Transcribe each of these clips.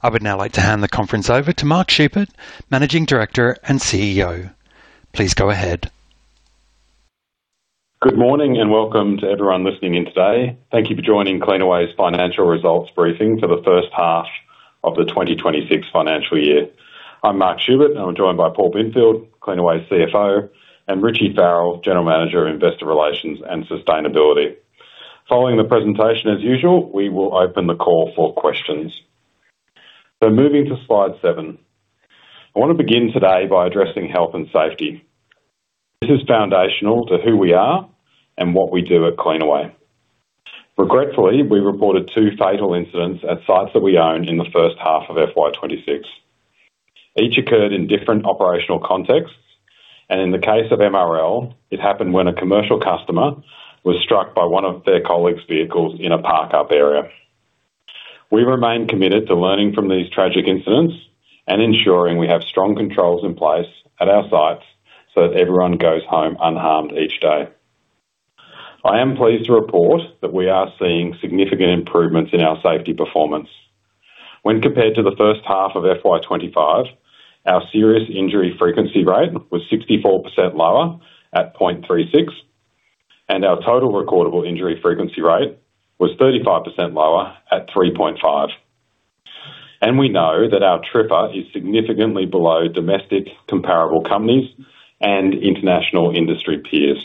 I would now like to hand the conference over to Mark Schubert, Managing Director and CEO. Please go ahead. Good morning, and welcome to everyone listening in today. Thank you for joining Cleanaway's financial results briefing for the first half of the 2026 financial year. I'm Mark Schubert, and I'm joined by Paul Binfield, Cleanaway's CFO, and Richie Farrell, General Manager of Investor Relations and Sustainability. Following the presentation, as usual, we will open the call for questions. Moving to slide 7. I want to begin today by addressing health and safety. This is foundational to who we are and what we do at Cleanaway. Regretfully, we reported two fatal incidents at sites that we own in the first half of FY26. Each occurred in different operational contexts, and in the case of MRL, it happened when a commercial customer was struck by one of their colleagues' vehicles in a park-up area. We remain committed to learning from these tragic incidents and ensuring we have strong controls in place at our sites so that everyone goes home unharmed each day. I am pleased to report that we are seeing significant improvements in our safety performance. When compared to the first half of FY25, our serious injury frequency rate was 64% lower at 0.36, and our total recordable injury frequency rate was 35% lower at 3.5. We know that our TRIFR is significantly below domestic comparable companies and international industry peers.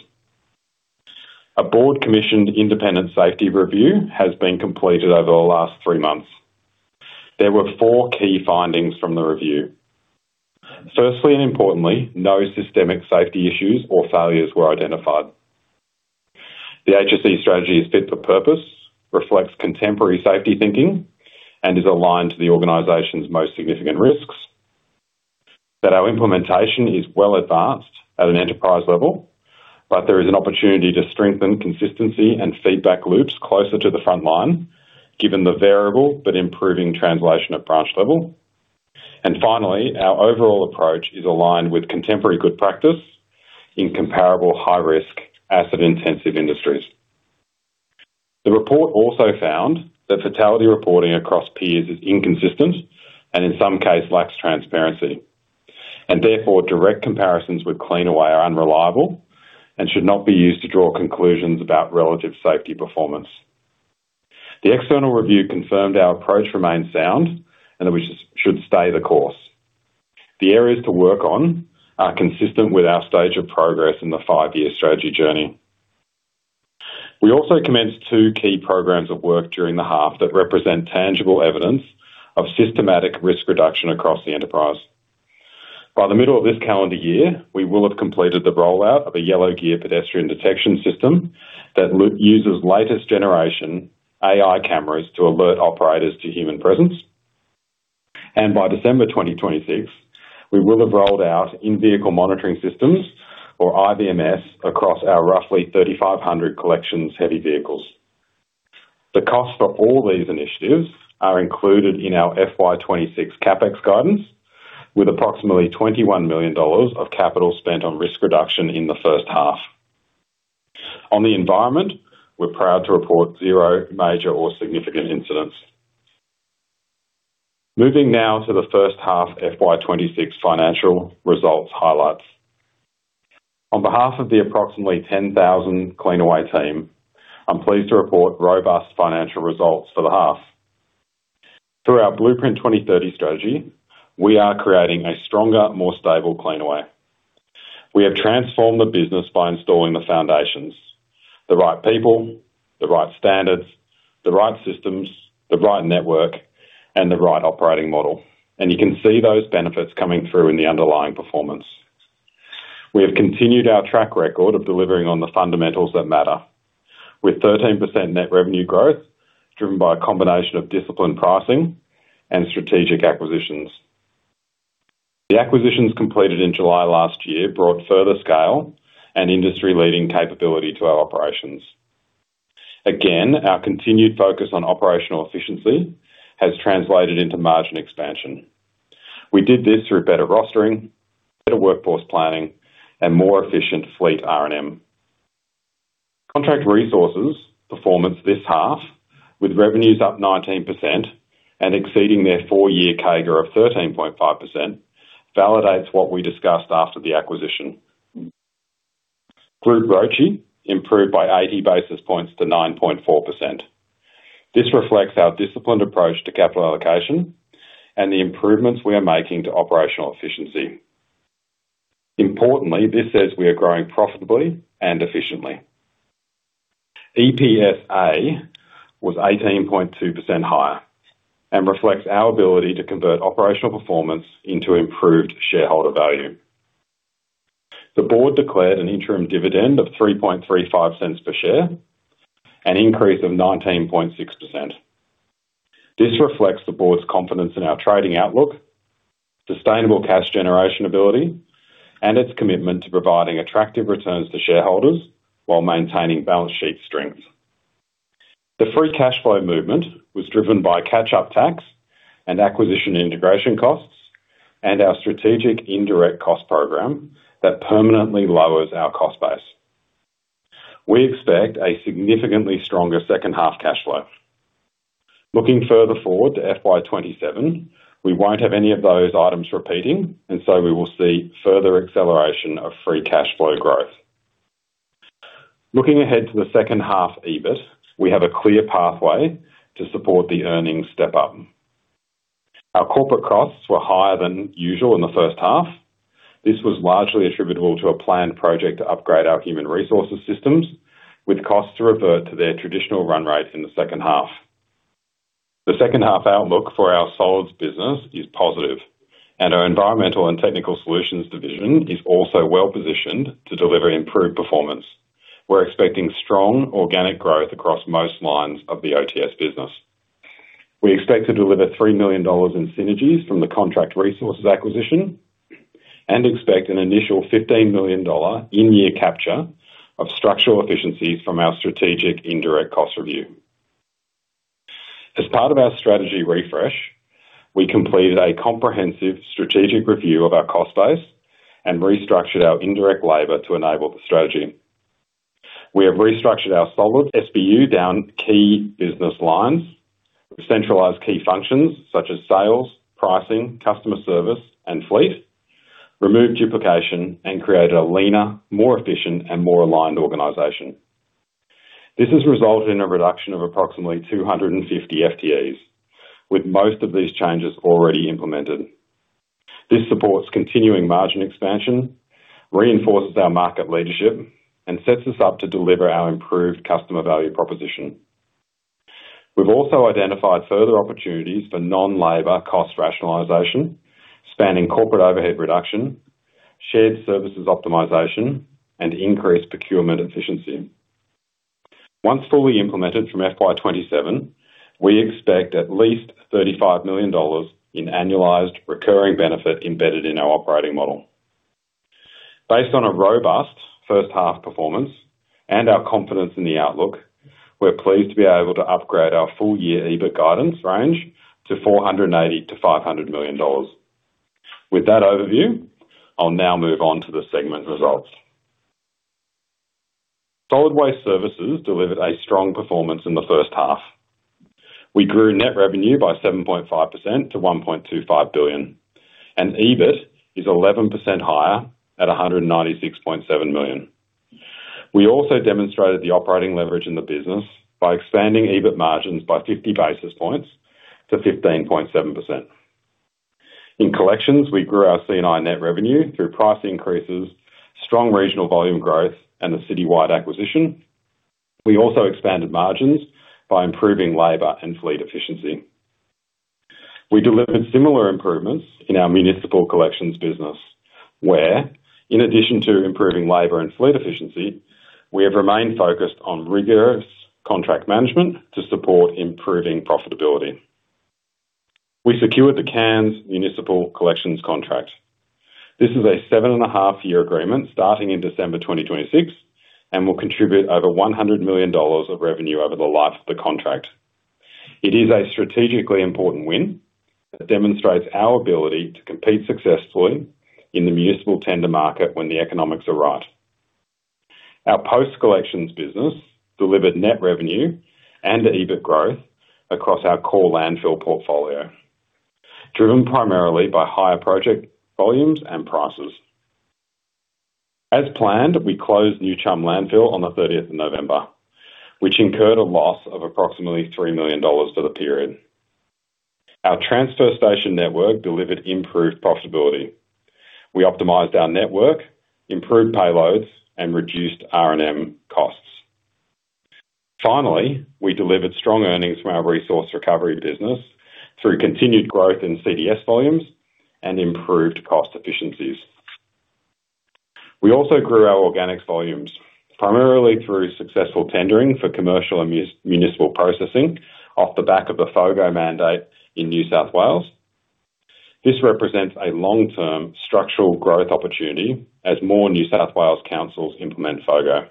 A board-commissioned independent safety review has been completed over the last three months. There were four key findings from the review. Firstly, and importantly, no systemic safety issues or failures were identified. The HSE strategy is fit for purpose, reflects contemporary safety thinking, and is aligned to the organization's most significant risks. That our implementation is well advanced at an enterprise level, but there is an opportunity to strengthen consistency and feedback loops closer to the front line, given the variable but improving translation at branch level. Finally, our overall approach is aligned with contemporary good practice in comparable high-risk asset-intensive industries. The report also found that fatality reporting across peers is inconsistent and in some cases lacks transparency, and therefore direct comparisons with Cleanaway are unreliable and should not be used to draw conclusions about relative safety performance. The external review confirmed our approach remains sound and that we should stay the course. The areas to work on are consistent with our stage of progress in the five-year strategy journey. We also commenced two key programs of work during the half that represent tangible evidence of systematic risk reduction across the enterprise. By the middle of this calendar year, we will have completed the rollout of a yellow gear pedestrian detection system that uses latest-generation AI cameras to alert operators to human presence. By December 2026, we will have rolled out in-vehicle monitoring systems, or IVMS, across our roughly 3,500 collections heavy vehicles. The cost for all these initiatives are included in our FY26 CapEx guidance, with approximately 21 million dollars of capital spent on risk reduction in the first half. On the environment, we're proud to report zero major or significant incidents. Moving now to the first half FY26 financial results highlights. On behalf of the approximately 10,000 Cleanaway team, I'm pleased to report robust financial results for the half. Through our Blueprint 2030 Strategy, we are creating a stronger, more stable Cleanaway. We have transformed the business by installing the foundations, the right people, the right standards, the right systems, the right network, and the right operating model. You can see those benefits coming through in the underlying performance. We have continued our track record of delivering on the fundamentals that matter, with 13% net revenue growth, driven by a combination of disciplined pricing and strategic acquisitions. The acquisitions completed in July last year brought further scale and industry-leading capability to our operations. Our continued focus on operational efficiency has translated into margin expansion. We did this through better rostering, better workforce planning, and more efficient fleet R&M. Contract Resources performance this half, with revenues up 19% and exceeding their 4-year CAGR of 13.5%, validates what we discussed after the acquisition. Group ROCE improved by 80 basis points to 9.4%. This reflects our disciplined approach to capital allocation and the improvements we are making to operational efficiency. Importantly, this says we are growing profitably and efficiently. EPSA was 18.2% higher and reflects our ability to convert operational performance into improved shareholder value. The board declared an interim dividend of 0.0335 per share, an increase of 19.6%. This reflects the board's confidence in our trading outlook, sustainable cash generation ability, and its commitment to providing attractive returns to shareholders while maintaining balance sheet strength. The free cash flow movement was driven by catch-up tax and acquisition integration costs, and our strategic indirect cost program that permanently lowers our cost base. We expect a significantly stronger second half cash flow. Looking further forward to FY27, we won't have any of those items repeating. We will see further acceleration of free cash flow growth. Looking ahead to the second half EBIT, we have a clear pathway to support the earnings step-up. Our corporate costs were higher than usual in the first half. This was largely attributable to a planned project to upgrade our human resources systems, with costs to revert to their traditional run rate in the second half. The second half outlook for our Solids business is positive. Our environmental and technical solutions division is also well-positioned to deliver improved performance. We're expecting strong organic growth across most lines of the OTS business. We expect to deliver 3 million dollars in synergies from the Contract Resources acquisition and expect an initial 15 million dollar in-year capture of structural efficiencies from our strategic indirect cost review. As part of our strategy refresh, we completed a comprehensive strategic review of our cost base and restructured our indirect labor to enable the strategy. We have restructured our Solid SBU down key business lines, centralized key functions such as sales, pricing, customer service, and fleet, removed duplication, and created a leaner, more efficient, and more aligned organization. This has resulted in a reduction of approximately 250 FTEs, with most of these changes already implemented. This supports continuing margin expansion, reinforces our market leadership, and sets us up to deliver our improved customer value proposition. We've also identified further opportunities for non-labor cost rationalization, spanning corporate overhead reduction, shared services optimization, and increased procurement efficiency. Once fully implemented from FY27, we expect at least 35 million dollars in annualized recurring benefit embedded in our operating model. Based on a robust first half performance and our confidence in the outlook, we're pleased to be able to upgrade our full year EBIT guidance range to 480 million-500 million dollars. With that overview, I'll now move on to the segment results. Solid Waste Services delivered a strong performance in the first half. We grew net revenue by 7.5% to 1.25 billion, EBIT is 11% higher at 196.7 million. We also demonstrated the operating leverage in the business by expanding EBIT margins by 50 basis points to 15.7%. In collections, we grew our C&I net revenue through price increases, strong regional volume growth, and the Citywide acquisition. We also expanded margins by improving labor and fleet efficiency. We delivered similar improvements in our municipal collections business, where, in addition to improving labor and fleet efficiency, we have remained focused on rigorous contract management to support improving profitability. We secured the Cairns Municipal Collections contract. This is a seven and a half year agreement starting in December 2026 and will contribute over 100 million dollars of revenue over the life of the contract. It is a strategically important win that demonstrates our ability to compete successfully in the municipal tender market when the economics are right. Our post collections business delivered net revenue and EBIT growth across our core landfill portfolio, driven primarily by higher project volumes and prices. As planned, we closed New Chum Landfill on the 30th of November, which incurred a loss of approximately 3 million dollars for the period. Our transfer station network delivered improved profitability. We optimized our network, improved payloads, and reduced R&M costs. We delivered strong earnings from our resource recovery business through continued growth in CDS volumes and improved cost efficiencies. We also grew our organics volumes, primarily through successful tendering for commercial and municipal processing off the back of the FOGO mandate in New South Wales. This represents a long-term structural growth opportunity as more New South Wales councils implement FOGO.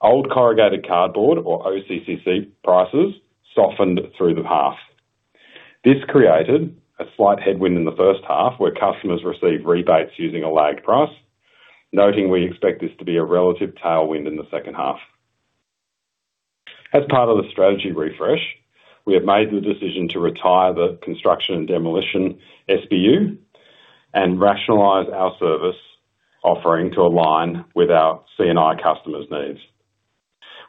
Old corrugated cardboard, or OCC, prices softened through the path. This created a slight headwind in the first half, where customers received rebates using a lagged price, noting we expect this to be a relative tailwind in the second half. As part of the strategy refresh, we have made the decision to retire the construction and demolition SBU and rationalize our service offering to align with our C&I customers' needs.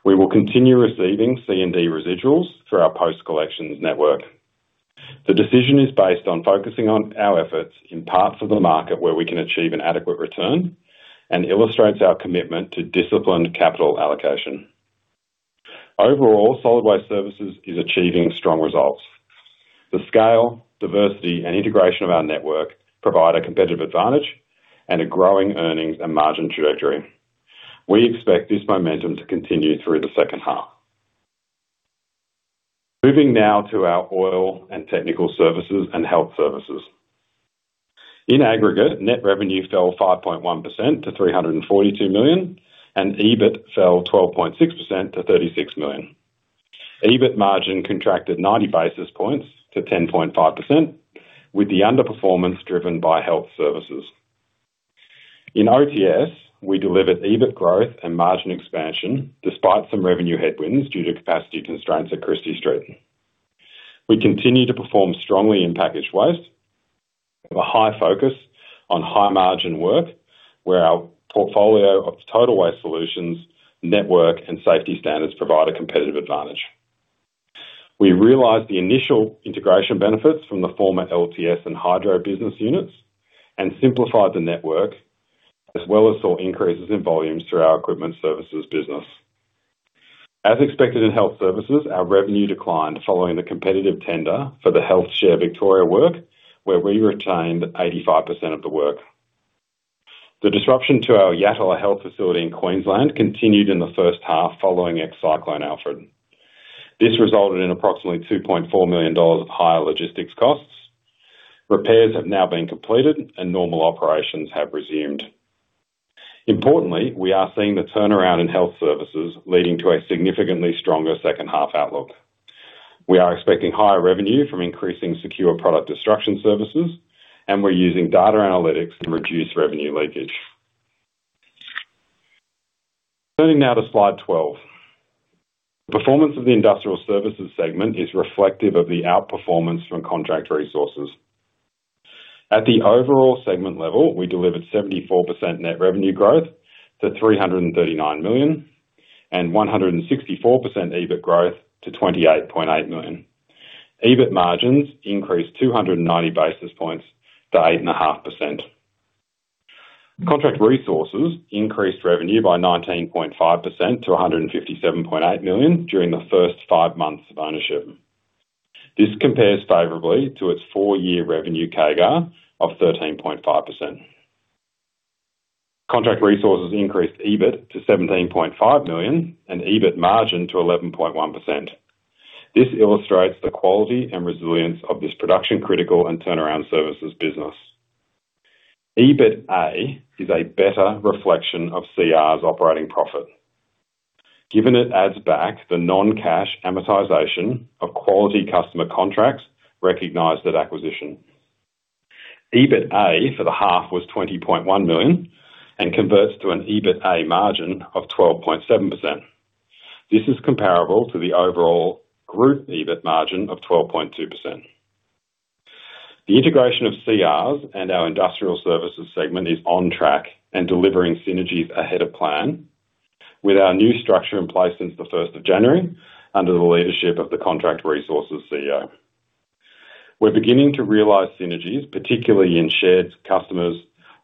We will continue receiving C&D residuals through our post collections network. The decision is based on focusing on our efforts in parts of the market where we can achieve an adequate return and illustrates our commitment to disciplined capital allocation. Overall, Solid Waste Services is achieving strong results. The scale, diversity, and integration of our network provide a competitive advantage and a growing earnings and margin trajectory. We expect this momentum to continue through the second half. Moving now to our Oil and Technical Services and Health Services. In aggregate, net revenue fell 5.1% to 342 million, and EBIT fell 12.6% to 36 million. EBIT margin contracted 90 basis points to 10.5%, with the underperformance driven by health services. In OTS, we delivered EBIT growth and margin expansion despite some revenue headwinds due to capacity constraints at Christie Street. We continue to perform strongly in packaged waste, with a high focus on high-margin work, where our portfolio of total waste solutions, network, and safety standards provide a competitive advantage. We realized the initial integration benefits from the former LTS and Hydro business units and simplified the network, as well as saw increases in volumes through our equipment services business. As expected in health services, our revenue declined following the competitive tender for the HealthShare Victoria work, where we retained 85% of the work. The disruption to our Yatala Health facility in Queensland continued in the first half following Ex-Cyclone Alfred. This resulted in approximately 2.4 million dollars of higher logistics costs. Repairs have now been completed and normal operations have resumed. Importantly, we are seeing the turnaround in health services leading to a significantly stronger second half outlook. We are expecting higher revenue from increasing secure product destruction services. We're using data analytics to reduce revenue leakage. Turning now to slide 12. The performance of the Industrial Services segment is reflective of the outperformance from Contract Resources. At the overall segment level, we delivered 74% net revenue growth to 339 million and 164% EBIT growth to 28.8 million. EBIT margins increased 290 basis points to 8.5%. Contract Resources increased revenue by 19.5% to 157.8 million during the first five months of ownership. This compares favorably to its four-year revenue CAGR of 13.5%. Contract Resources increased EBIT to 17.5 million and EBIT margin to 11.1%. This illustrates the quality and resilience of this production critical and turnaround services business. EBITA is a better reflection of CR's operating profit, given it adds back the non-cash amortization of quality customer contracts recognized at acquisition. EBITA for the half was 20.1 million and converts to an EBITA margin of 12.7%. This is comparable to the overall group EBIT margin of 12.2%. The integration of CRs and our Industrial Services segment is on track and delivering synergies ahead of plan with our new structure in place since the 1st of January, under the leadership of the Contract Resources CEO. We're beginning to realize synergies, particularly in shared customers,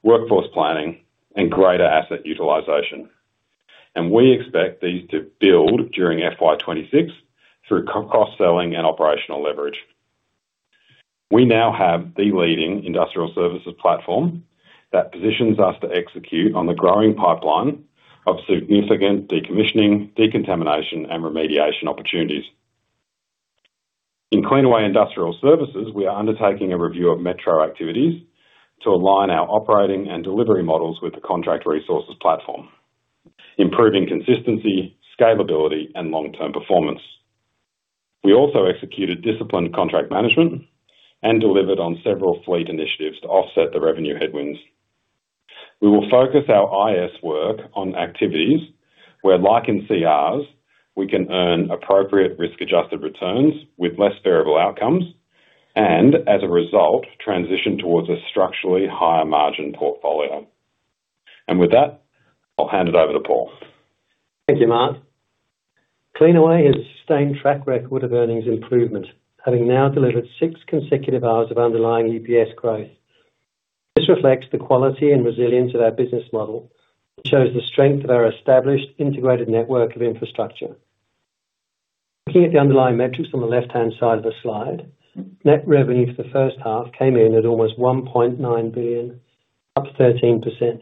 workforce planning, and greater asset utilization. We expect these to build during FY26 through cross-selling and operational leverage. We now have the leading Industrial Services platform that positions us to execute on the growing pipeline of significant decommissioning, decontamination, and remediation opportunities. In Cleanaway Industrial Services, we are undertaking a review of metro activities to align our operating and delivery models with the Contract Resources platform, improving consistency, scalability, and long-term performance. We also executed disciplined contract management and delivered on several fleet initiatives to offset the revenue headwinds. We will focus our IS work on activities where, like in CRs, we can earn appropriate risk-adjusted returns with less variable outcomes and, as a result, transition towards a structurally higher margin portfolio. With that, I'll hand it over to Paul. Thank you, Mark. Cleanaway has a sustained track record of earnings improvement, having now delivered six consecutive hours of underlying EPS growth. This reflects the quality and resilience of our business model, shows the strength of our established integrated network of infrastructure. Looking at the underlying metrics on the left-hand side of the slide, net revenue for the first half came in at almost 1.9 billion, up 13%.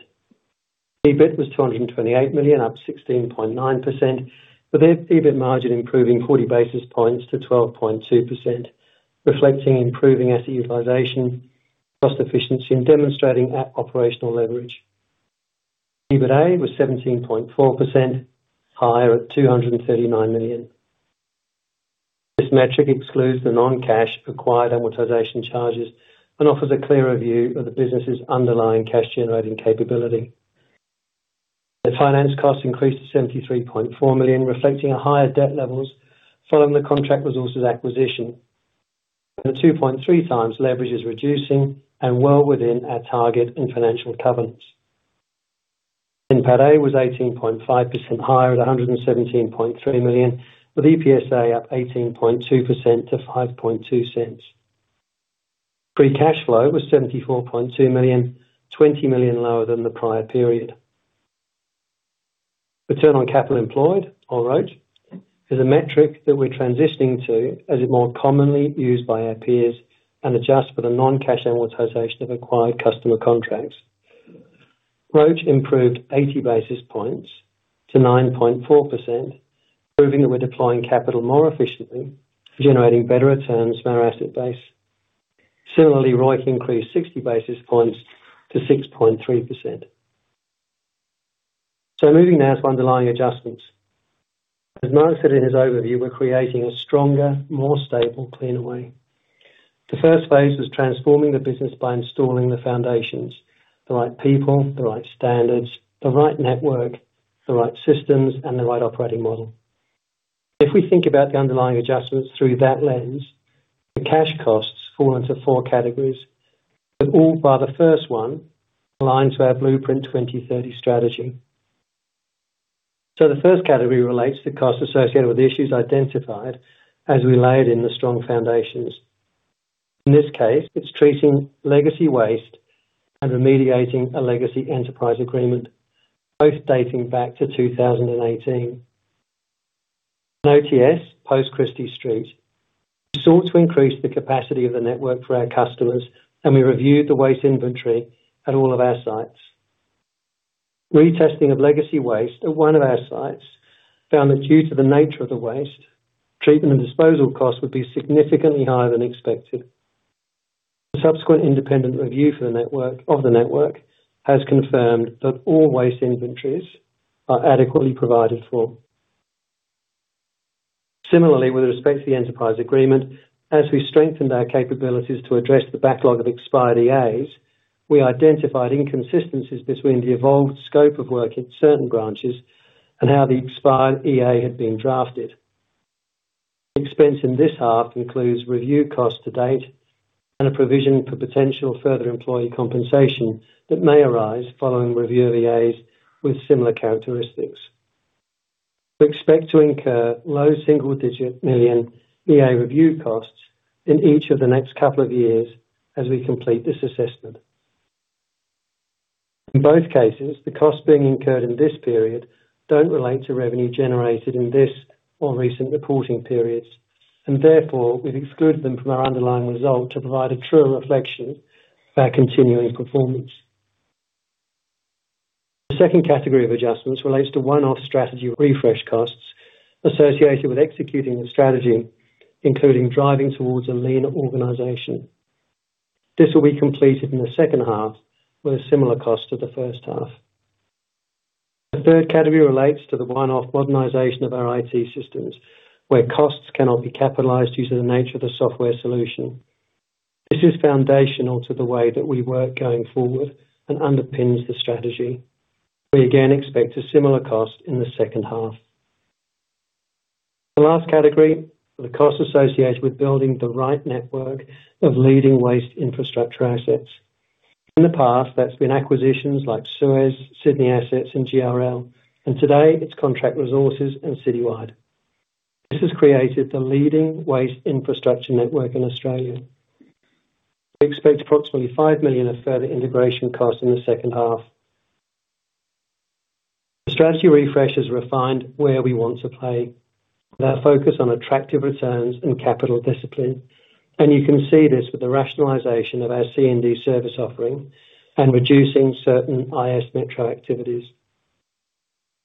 EBIT was 228 million, up 16.9%, with the EBIT margin improving 40 basis points to 12.2%, reflecting improving asset utilization, cost efficiency, and demonstrating our operational leverage. EBITA was 17.4% higher at 239 million. This metric excludes the non-cash acquired amortization charges and offers a clearer view of the business's underlying cash-generating capability. The finance costs increased to 73.4 million, reflecting a higher debt levels following the Contract Resources acquisition. The 2.3x leverage is reducing and well within our target and financial covenants. NPATA was 18.5% higher at 117.3 million, with EPSA up 18.2% to 0.052. Free cash flow was 74.2 million, 20 million lower than the prior period. Return on capital employed, or ROCE, is a metric that we're transitioning to, as it's more commonly used by our peers and adjusts for the non-cash amortization of acquired customer contracts. ROCE improved 80 basis points to 9.4%, proving that we're deploying capital more efficiently, generating better returns from our asset base. Similarly, ROIC increased 60 basis points to 6.3%. Moving now to underlying adjustments. As Mark said in his overview, we're creating a stronger, more stable Cleanaway. The first phase was transforming the business by installing the foundations: the right people, the right standards, the right network, the right systems, and the right operating model. We think about the underlying adjustments through that lens, the cash costs fall into four categories, but all bar the first one align to our Blueprint 2030 Strategy. The first category relates to costs associated with issues identified as we laid in the strong foundations. In this case, it's treating legacy waste and remediating a legacy enterprise agreement, both dating back to 2018. In OTS, post Christie Street, we sought to increase the capacity of the network for our customers, we reviewed the waste inventory at all of our sites. Retesting of legacy waste at one of our sites found that due to the nature of the waste, treatment and disposal costs would be significantly higher than expected. The subsequent independent review of the network has confirmed that all waste inventories are adequately provided for. Similarly, with respect to the enterprise agreement, as we strengthened our capabilities to address the backlog of expired EAs, we identified inconsistencies between the evolved scope of work at certain branches and how the expired EA had been drafted. Expense in this half includes review costs to date and a provision for potential further employee compensation that may arise following review EAs with similar characteristics. We expect to incur low single-digit million EA review costs in each of the next couple of years as we complete this assessment. In both cases, the costs being incurred in this period don't relate to revenue generated in this or recent reporting periods, and therefore we've excluded them from our underlying result to provide a true reflection of our continuing performance. The second category of adjustments relates to one-off strategy refresh costs associated with executing the strategy, including driving towards a leaner organization. This will be completed in the second half with a similar cost to the first half. The third category relates to the one-off modernization of our IT systems, where costs cannot be capitalized due to the nature of the software solution. This is foundational to the way that we work going forward and underpins the strategy. We again expect a similar cost in the second half. The last category are the costs associated with building the right network of leading waste infrastructure assets. In the past, that's been acquisitions like Suez, Sydney Assets, and GRL, and today it's Contract Resources and Citywide. This has created the leading waste infrastructure network in Australia. We expect approximately 5 million of further integration costs in the second half. The strategy refresh is refined where we want to play, with our focus on attractive returns and capital discipline, and you can see this with the rationalization of our C&D service offering and reducing certain IS metro activities.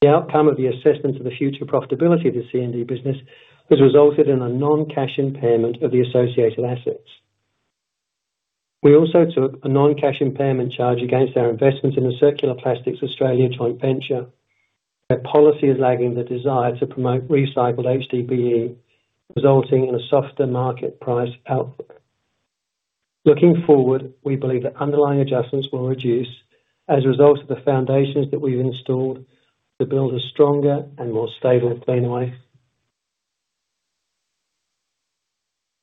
The outcome of the assessment of the future profitability of the C&D business has resulted in a non-cash impairment of the associated assets. We also took a non-cash impairment charge against our investments in the Circular Plastics Australia joint venture, where policy is lagging the desire to promote recycled HDPE, resulting in a softer market price outlook. Looking forward, we believe that underlying adjustments will reduce as a result of the foundations that we've installed to build a stronger and more stable Cleanaway.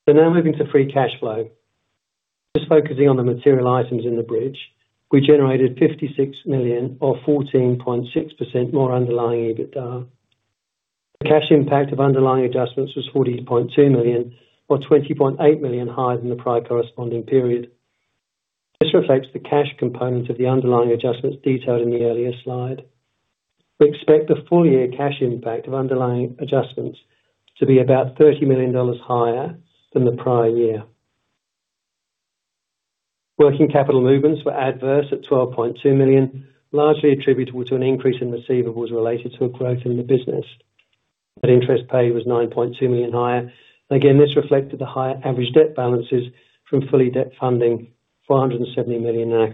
Now moving to free cash flow. Just focusing on the material items in the bridge, we generated 56 million or 14.6% more underlying EBITDA. The cash impact of underlying adjustments was 40.2 million or 20.8 million higher than the prior corresponding period. This reflects the cash component of the underlying adjustments detailed in the earlier slide. We expect the full-year cash impact of underlying adjustments to be about 30 million dollars higher than the prior year. Working capital movements were adverse at 12.2 million, largely attributable to an increase in receivables related to a growth in the business. Interest paid was 9.2 million higher. Again, this reflected the higher average debt balances from fully debt funding 470 million in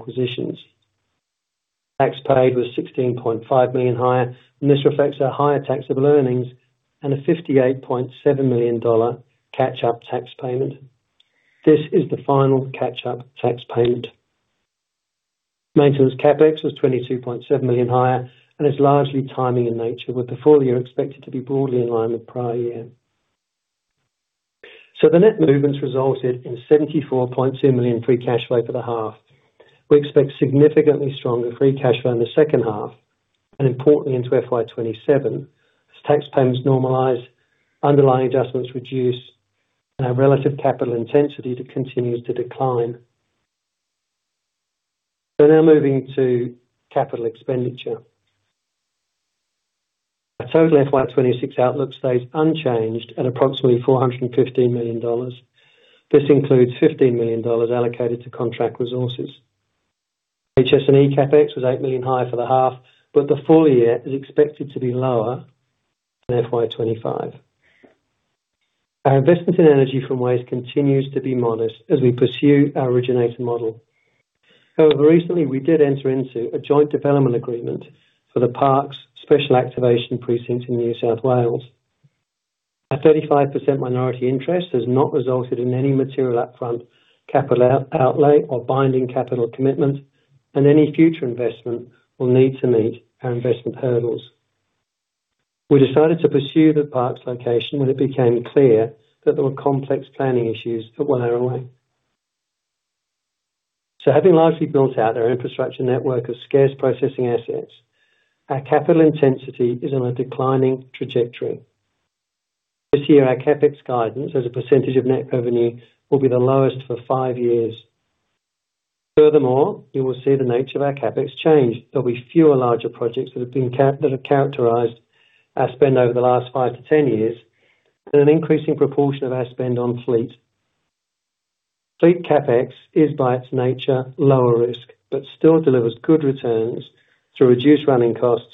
acquisitions. Tax paid was 16.5 million higher, and this reflects our higher taxable earnings and an 58.7 million dollar catch-up tax payment. This is the final catch-up tax payment. Maintenance CapEx was 22.7 million higher and is largely timing in nature, with the full year expected to be broadly in line with prior year. The net movements resulted in 74.2 million free cash flow for the half. We expect significantly stronger free cash flow in the second half and importantly into FY27 as tax payments normalize, underlying adjustments reduce, and our relative capital intensity to continue to decline. Now moving to capital expenditure. Our total FY26 outlook stays unchanged at approximately 415 million dollars. This includes 15 million dollars allocated to Contract Resources. HSE CapEx was 8 million higher for the half, but the full year is expected to be lower than FY25. our investment in energy from waste continues to be modest as we pursue our originator model. However, recently, we did enter into a joint development agreement for the Parkes Special Activation Precinct in New South Wales. Our 35% minority interest has not resulted in any material upfront capital outlay or binding capital commitment, and any future investment will need to meet our investment hurdles. We decided to pursue the Parkes location when it became clear that there were complex planning issues that were in our way. Having largely built out our infrastructure network of scarce processing assets, our capital intensity is on a declining trajectory. This year, our CapEx guidance as a percentage of net revenue will be the lowest for 5 years. Furthermore, you will see the nature of our CapEx change. There'll be fewer larger projects that have characterized our spend over the last 5-10 years and an increasing proportion of our spend on fleet. Fleet CapEx is, by its nature, lower risk, but still delivers good returns through reduced running costs,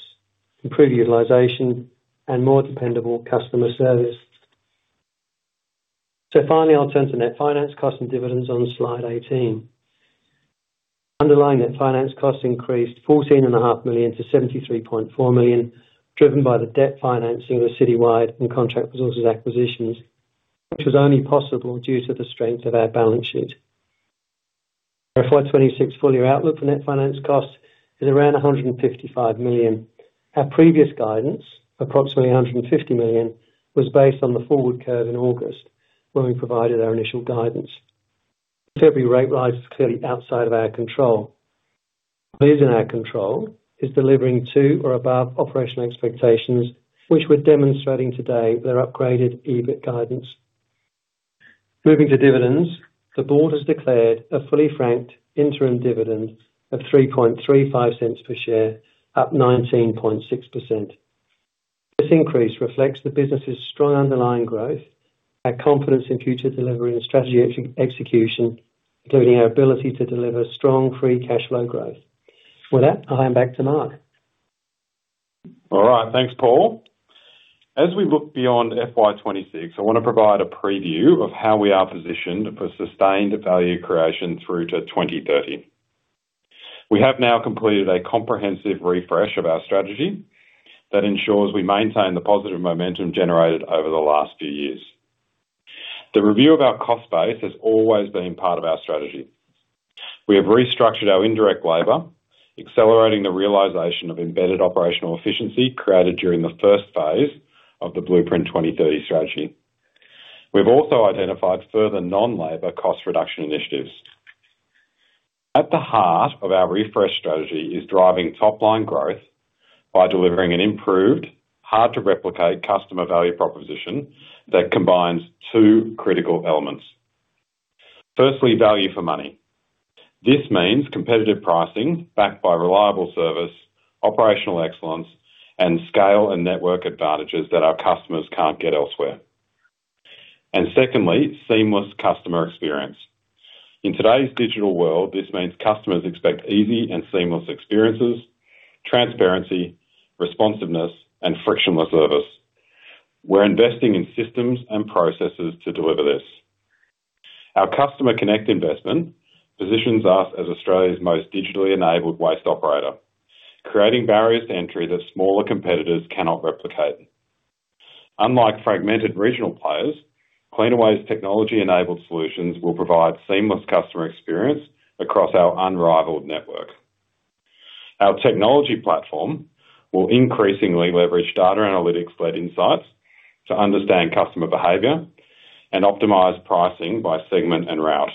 improved utilization, and more dependable customer service. Finally, I'll turn to net finance cost and dividends on slide 18. Underlying net finance costs increased 14.5 million to 73.4 million, driven by the debt financing of the Citywide and Contract Resources acquisitions, which was only possible due to the strength of our balance sheet. Our FY26 full-year outlook for net finance costs is around 155 million. Our previous guidance, approximately 150 million, was based on the forward curve in August, when we provided our initial guidance. February rate rise is clearly outside of our control. What is in our control is delivering to or above operational expectations, which we're demonstrating today with our upgraded EBIT guidance. Moving to dividends, the board has declared a fully franked interim dividend of 0.0335 per share, up 19.6%. This increase reflects the business's strong underlying growth, our confidence in future delivery and strategy execution, including our ability to deliver strong free cash flow growth. With that, I'll hand back to Mark. All right, thanks, Paul. As we look beyond FY26, I want to provide a preview of how we are positioned for sustained value creation through to 2030. We have now completed a comprehensive refresh of our strategy that ensures we maintain the positive momentum generated over the last few years. The review of our cost base has always been part of our strategy. We have restructured our indirect labor, accelerating the realization of embedded operational efficiency created during the first phase of the Blueprint 2030 Strategy. We've also identified further non-labor cost reduction initiatives. At the heart of our refresh strategy is driving top-line growth by delivering an improved, hard-to-replicate customer value proposition that combines two critical elements. Firstly, value for money. This means competitive pricing backed by reliable service, operational excellence, and scale and network advantages that our customers can't get elsewhere. Secondly, seamless customer experience. In today's digital world, this means customers expect easy and seamless experiences, transparency, responsiveness, and frictionless service. We're investing in systems and processes to deliver this. Our Customer Connect investment positions us as Australia's most digitally-enabled waste operator, creating barriers to entry that smaller competitors cannot replicate. Unlike fragmented regional players, Cleanaway's technology-enabled solutions will provide seamless customer experience across our unrivaled network. Our technology platform will increasingly leverage data analytics-led insights to understand customer behavior and optimize pricing by segment and route,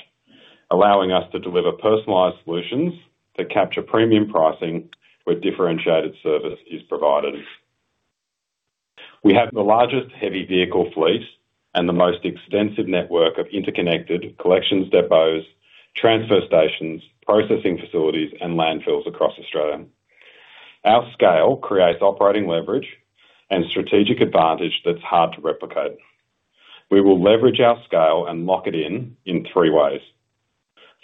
allowing us to deliver personalized solutions that capture premium pricing where differentiated service is provided. We have the largest heavy vehicle fleet and the most extensive network of interconnected collections depots, transfer stations, processing facilities, and landfills across Australia. Our scale creates operating leverage and strategic advantage that's hard to replicate. We will leverage our scale and lock it in in three ways.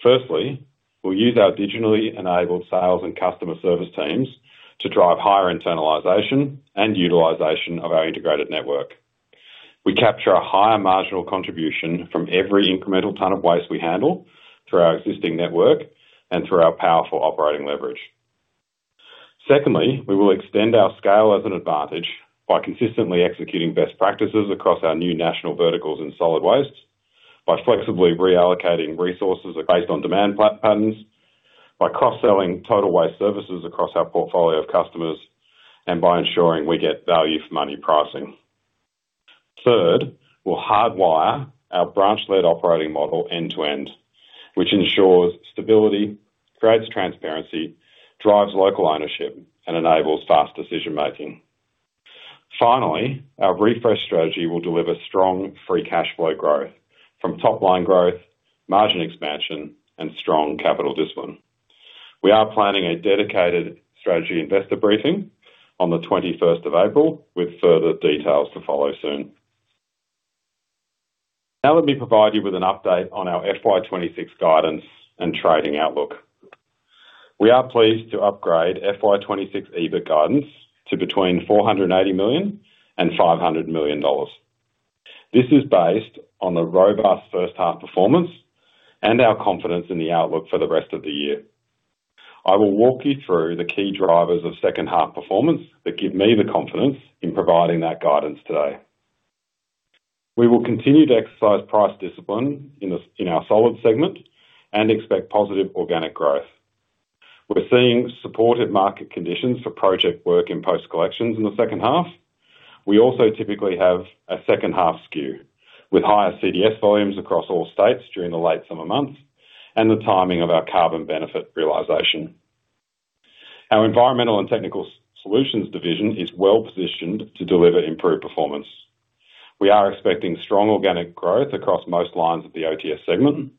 Firstly, we'll use our digitally-enabled sales and customer service teams to drive higher internalization and utilization of our integrated network. We capture a higher marginal contribution from every incremental ton of waste we handle through our existing network and through our powerful operating leverage. Secondly, we will extend our scale as an advantage by consistently executing best practices across our new national verticals in solid waste, by flexibly reallocating resources based on demand patterns, by cross-selling total waste services across our portfolio of customers, and by ensuring we get value for money pricing. Third, we'll hardwire our branch-led operating model end-to-end, which ensures stability, creates transparency, drives local ownership, and enables fast decision-making. Our refresh strategy will deliver strong free cash flow growth from top-line growth, margin expansion, and strong capital discipline. We are planning a dedicated strategy investor briefing on the 21st of April, with further details to follow soon. Let me provide you with an update on our FY26 guidance and trading outlook. We are pleased to upgrade FY26 EBIT guidance to between 480 million and 500 million dollars. This is based on the robust first half performance and our confidence in the outlook for the rest of the year. I will walk you through the key drivers of second half performance that give me the confidence in providing that guidance today. We will continue to exercise price discipline in our Solid segment and expect positive organic growth. We're seeing supportive market conditions for project work in post collections in the second half. We also typically have a second half skew, with higher CDS volumes across all states during the late summer months and the timing of our carbon benefit realization. Our Environmental and Technical Solutions division is well positioned to deliver improved performance. We are expecting strong organic growth across most lines of the OTS segment.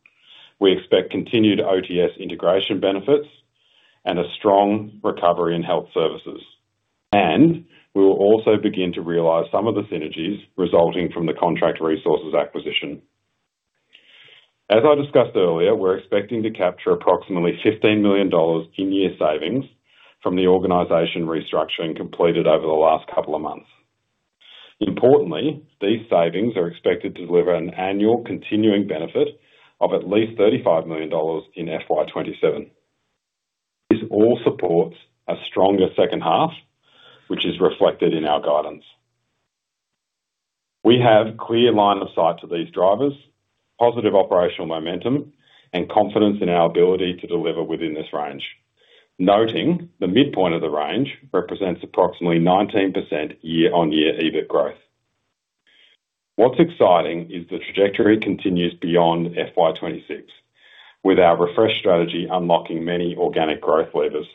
We expect continued OTS integration benefits and a strong recovery in health services, and we will also begin to realize some of the synergies resulting from the Contract Resources acquisition. As I discussed earlier, we're expecting to capture approximately 15 million dollars in year savings from the organization restructuring completed over the last couple of months. Importantly, these savings are expected to deliver an annual continuing benefit of at least 35 million dollars in FY27. This all supports a stronger second half, which is reflected in our guidance. We have clear line of sight to these drivers, positive operational momentum, and confidence in our ability to deliver within this range. Noting the midpoint of the range represents approximately 19% year-on-year EBIT growth. What's exciting is the trajectory continues beyond FY26, with our refreshed strategy unlocking many organic growth levers.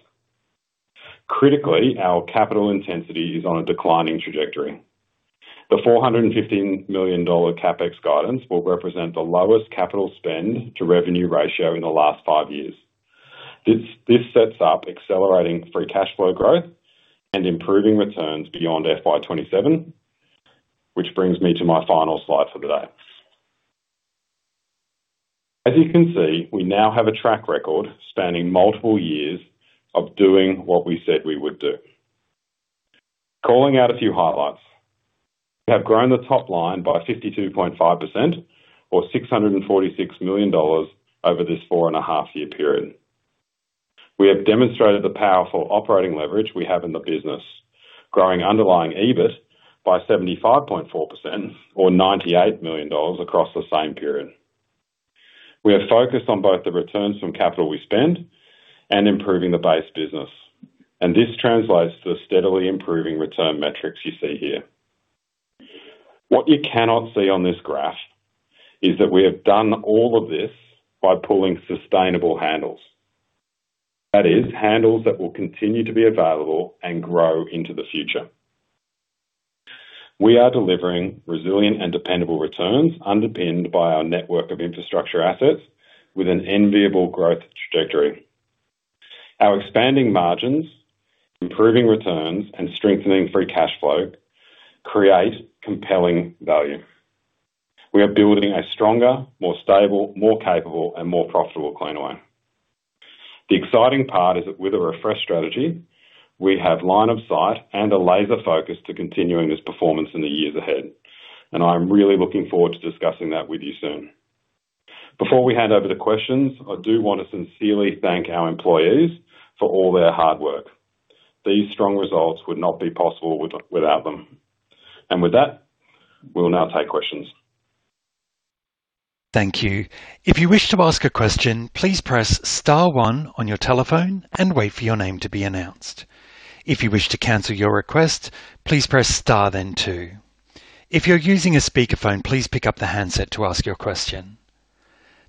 Critically, our capital intensity is on a declining trajectory. The 415 million dollar CapEx guidance will represent the lowest capital spend to revenue ratio in the last five years. This sets up accelerating free cash flow growth and improving returns beyond FY27, which brings me to my final slide for today. As you can see, we now have a track record spanning multiple years of doing what we said we would do. Calling out a few highlights: We have grown the top line by 52.5% or 646 million dollars over this four and a half year period. We have demonstrated the powerful operating leverage we have in the business, growing underlying EBIT by 75.4% or 98 million dollars across the same period. We are focused on both the returns from capital we spend and improving the base business, this translates to the steadily improving return metrics you see here. What you cannot see on this graph is that we have done all of this by pulling sustainable handles. That is, handles that will continue to be available and grow into the future. We are delivering resilient and dependable returns underpinned by our network of infrastructure assets with an enviable growth trajectory. Our expanding margins, improving returns, and strengthening free cash flow create compelling value. We are building a stronger, more stable, more capable, and more profitable Cleanaway. The exciting part is that with a refreshed strategy, we have line of sight and a laser focus to continuing this performance in the years ahead, and I'm really looking forward to discussing that with you soon. Before we hand over the questions, I do want to sincerely thank our employees for all their hard work. These strong results would not be possible without them. With that, we'll now take questions. Thank you. If you wish to ask a question, please press star one on your telephone and wait for your name to be announced. If you wish to cancel your request, please press star then two. If you're using a speakerphone, please pick up the handset to ask your question.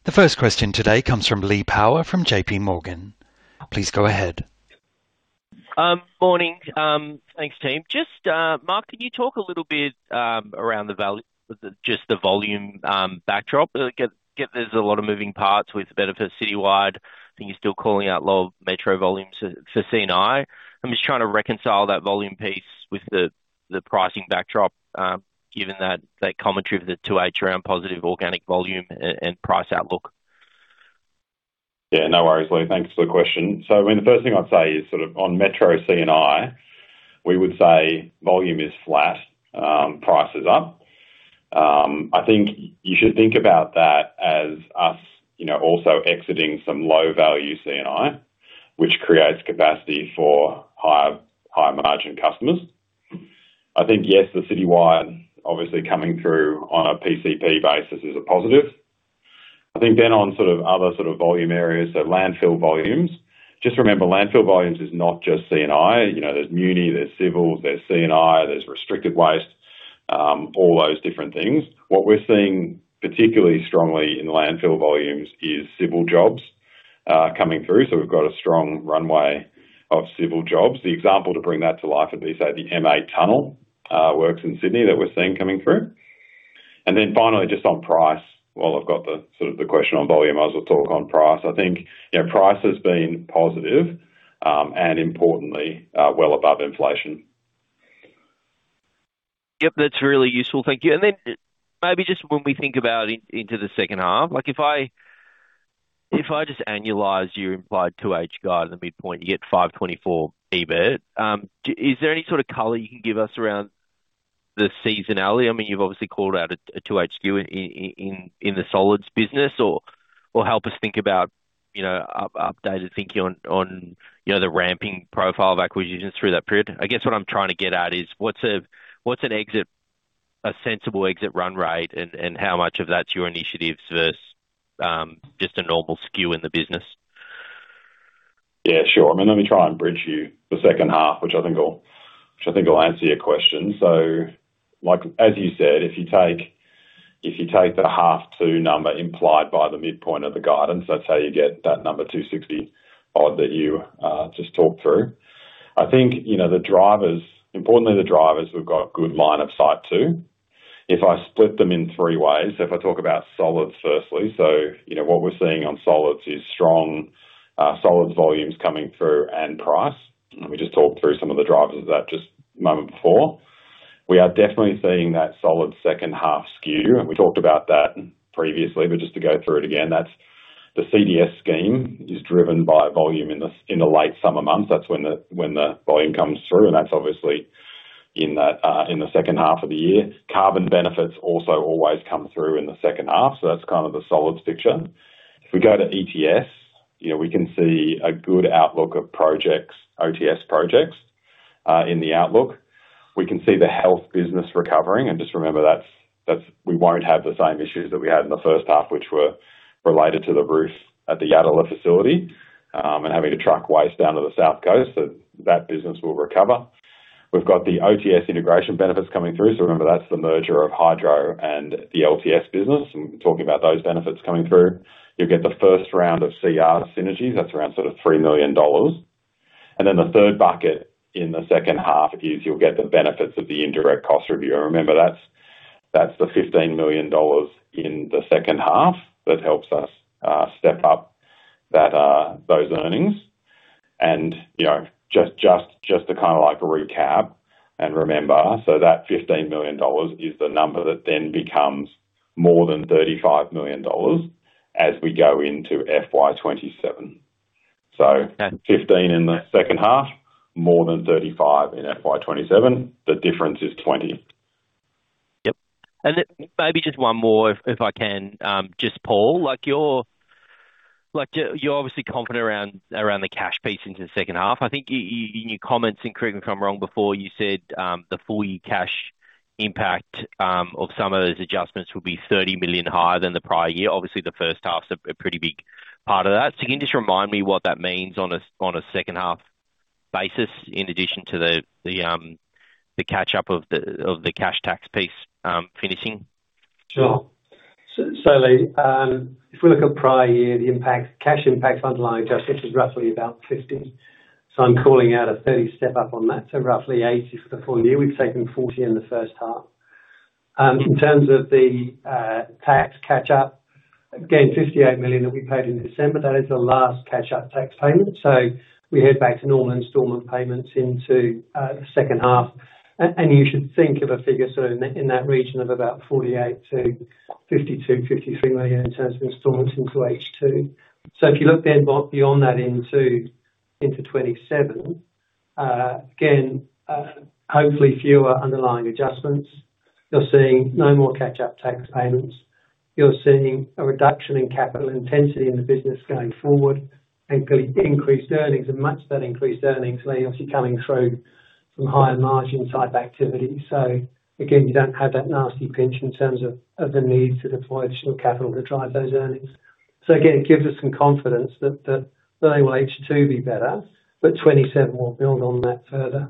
The first question today comes from Lee Power, from JPMorgan. Please go ahead. Morning. Thanks, team. Just, Mark, can you talk a little bit around the value, just the volume, backdrop? There's a lot of moving parts with the benefit of Citywide Waste. I think you're still calling out low metro volumes for C&I. I'm just trying to reconcile that volume piece with the pricing backdrop, given that commentary of the 2H around positive organic volume and price outlook. Yeah, no worries, Lee. Thanks for the question. I mean, the first thing I'd say is sort of on metro C&I, we would say volume is flat, price is up. I think you should think about that as us, you know, also exiting some low value C&I, which creates capacity for higher margin customers. I think, yes, the Citywide obviously coming through on a PCP basis is a positive. I think then on sort of other sort of volume areas, so landfill volumes, just remember, landfill volumes is not just C&I, you know, there's muni, there's civil, there's C&I, there's restricted waste, all those different things. What we're seeing particularly strongly in landfill volumes is civil jobs coming through, so we've got a strong runway of civil jobs. The example to bring that to life would be, say, the M8 Tunnel works in Sydney that we're seeing coming through. Finally, just on price. While I've got the sort of the question on volume, I'll also talk on price. I think, you know, price has been positive, and importantly, well above inflation. Yep, that's really useful. Thank you. Then maybe just when we think about into the second half, like, if I, if I just annualize your implied 2H guide, the midpoint, you get 524 million EBIT. Is there any sort of color you can give us around the seasonality? You've obviously called out a 2H in the Solids business or help us think about, you know, updated thinking on, you know, the ramping profile of acquisitions through that period. What I'm trying to get at is: what's a, what's an exit, a sensible exit run rate, and how much of that's your initiatives versus just a normal skew in the business? Yeah, sure. I mean, let me try and bridge you the second half, which I think will answer your question. Like as you said, if you take the half 2 number implied by the midpoint of the guidance, that's how you get that number 260 odd that you just talked through. I think, you know, importantly, the drivers, we've got good line of sight too. If I split them in three ways, if I talk about Solids firstly, you know, what we're seeing on Solids is strong Solids volumes coming through and price. We just talked through some of the drivers of that just a moment before. We are definitely seeing that Solid second half skew, and we talked about that previously, but just to go through it again, that's the CDS scheme is driven by volume in the late summer months. That's when the volume comes through, and that's obviously in the second half of the year. Carbon benefits also always come through in the second half. That's kind of the Solid fiction. If we go to ETS, you know, we can see a good outlook of projects, OTS projects, in the outlook. We can see the health business recovering. Just remember that's we won't have the same issues that we had in the first half, which were related to the roof at the Yatala facility, and having to track waste down to the South Coast. That business will recover. We've got the OTS integration benefits coming through, remember, that's the merger of Hydro and the LTS business. I'm talking about those benefits coming through. You'll get the first round of CR synergies. That's around sort of 3 million dollars. The third bucket in the second half is you'll get the benefits of the indirect cost review. Remember, that's the 15 million dollars in the second half that helps us step-up those earnings. You know, just to kind of like recap and remember, that 15 million dollars is the number that then becomes more than 35 million dollars as we go into FY27. 15 in the second half, more than 35 in FY27. The difference is 20. Yep. Maybe just one more if I can, just Paul, you're obviously confident around the cash piece into the second half. I think in your comments, and correct me if I'm wrong, before you said, the full year cash impact of some of those adjustments would be 30 million higher than the prior year. Obviously, the first half's a pretty big part of that. Can you just remind me what that means on a second half basis, in addition to the catch up of the cash tax piece finishing? Sure. Lee, if we look at prior year, the impact, cash impact, underlying adjustments is roughly about 50. I'm calling out a 30 step-up on that, roughly 80 for the full year. We've taken 40 in the first half. In terms of the tax catch up, again, 58 million that we paid in December, that is the last catch-up tax payment. We head back to normal installment payments into the second half. You should think of a figure sort of in that region of about 48 million-53 million in terms of installments into H2. If you look then beyond that into 2027, again, hopefully fewer underlying adjustments. You're seeing no more catch-up tax payments. You're seeing a reduction in capital intensity in the business going forward and increased earnings. Much of that increased earnings are obviously coming through from higher margin type activities. Again, you don't have that nasty pinch in terms of the need to deploy additional capital to drive those earnings. Again, it gives us some confidence that not only will H2 be better, but 2027 will build on that further.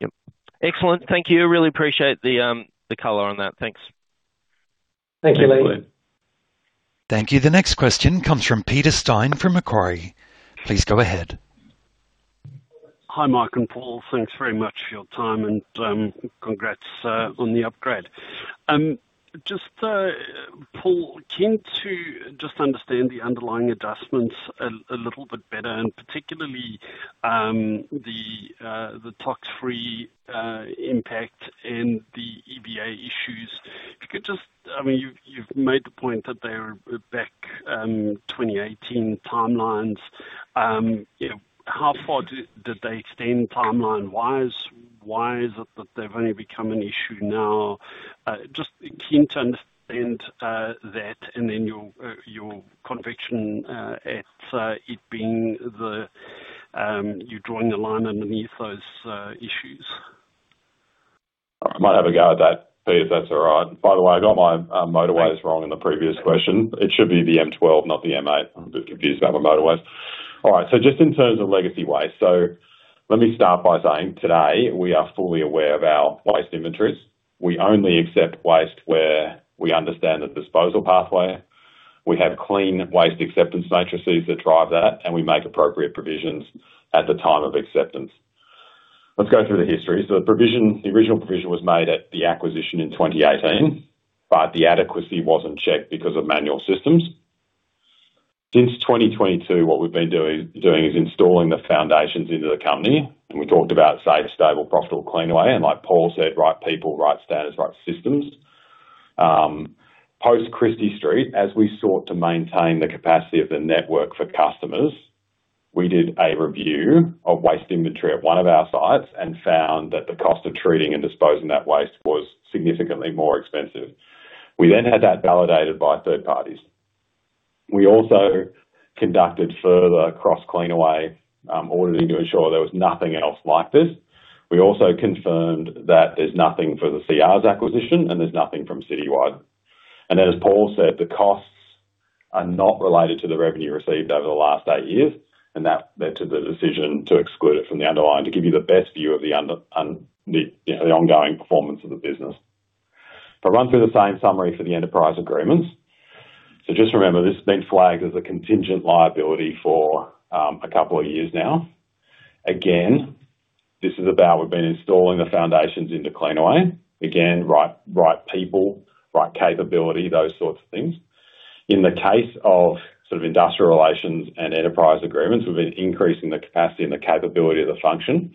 Yep. Excellent. Thank you. I really appreciate the color on that. Thanks. Thank you, Lee. Thanks, Lee. Thank you. The next question comes from Peter Steyn, from Macquarie. Please go ahead. Hi, Mike and Paul. Thanks very much for your time, and congrats on the upgrade. Just, Paul, keen to just understand the underlying adjustments a little bit better and particularly the Toxfree impact and the EBA issues. If you could just. I mean, you've made the point that they are back, 2018 timelines. You know, how far did they extend timeline-wise? Why is it that they've only become an issue now? Just keen to understand that and then your conviction at it being the you drawing a line underneath those issues. I might have a go at that, Pete, if that's all right. By the way, I got my motorways wrong in the previous question. It should be the M12, not the M8. I'm a bit confused about my motorways. Just in terms of legacy waste, let me start by saying today we are fully aware of our waste inventories. We only accept waste where we understand the disposal pathway. We have clean waste acceptance matrices that drive that, and we make appropriate provisions at the time of acceptance. Let's go through the history. The provision, the original provision was made at the acquisition in 2018, but the adequacy wasn't checked because of manual systems. Since 2022, what we've been doing is installing the foundations into the company. We talked about safe, stable, profitable, Cleanaway, and like Paul said, right people, right standards, right systems. Post Christie Street, as we sought to maintain the capacity of the network for customers, we did a review of waste inventory at one of our sites and found that the cost of treating and disposing that waste was significantly more expensive. We had that validated by third parties. We also conducted further cross Cleanaway auditing to ensure there was nothing else like this. We also confirmed that there's nothing for the CRs acquisition, and there's nothing from Citywide. As Paul said, the costs are not related to the revenue received over the last 8 years, and that led to the decision to exclude it from the underlying, to give you the best view of the ongoing performance of the business. If I run through the same summary for the enterprise agreements. Just remember, this has been flagged as a contingent liability for a couple of years now. This is about we've been installing the foundations into Cleanaway. Right people, right capability, those sorts of things. In the case of sort of industrial relations and enterprise agreements, we've been increasing the capacity and the capability of the function.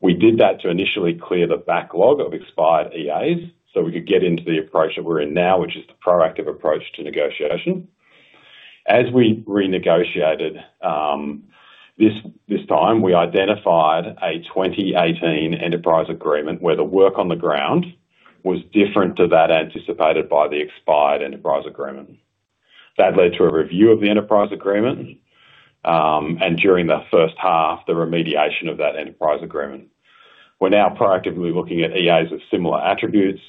We did that to initially clear the backlog of expired EAs, so we could get into the approach that we're in now, which is the proactive approach to negotiation. We renegotiated this time, we identified a 2018 enterprise agreement where the work on the ground was different to that anticipated by the expired enterprise agreement. That led to a review of the enterprise agreement, and during the first half, the remediation of that enterprise agreement. We're now proactively looking at EAs with similar attributes.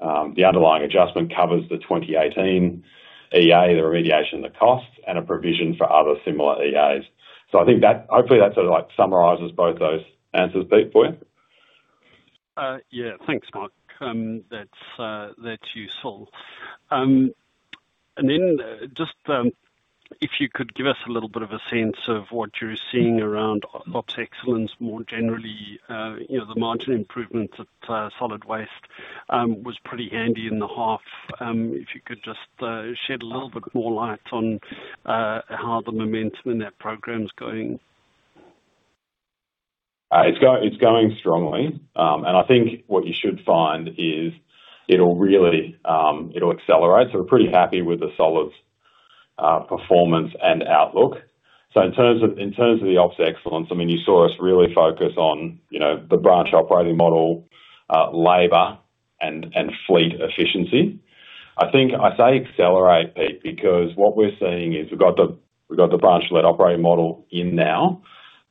The underlying adjustment covers the 2018 EA, the remediation, the costs, and a provision for other similar EAs. I think hopefully, that sort of like summarizes both those answers, Pete, for you. Yeah. Thanks, Mark. That's useful. Then just, if you could give us a little bit of a sense of what you're seeing around ops excellence more generally, you know, the margin improvements at Solid Waste Services was pretty handy in the half. If you could just shed a little bit more light on how the momentum in that program is going? It's going strongly. I think what you should find is it'll really accelerate. We're pretty happy with the Solids performance and outlook. In terms of, in terms of the ops excellence, I mean, you saw us really focus on, you know, the branch operating model, labor and fleet efficiency. I think I say accelerate, Pete, because what we're seeing is we've got the branch-led operating model in now,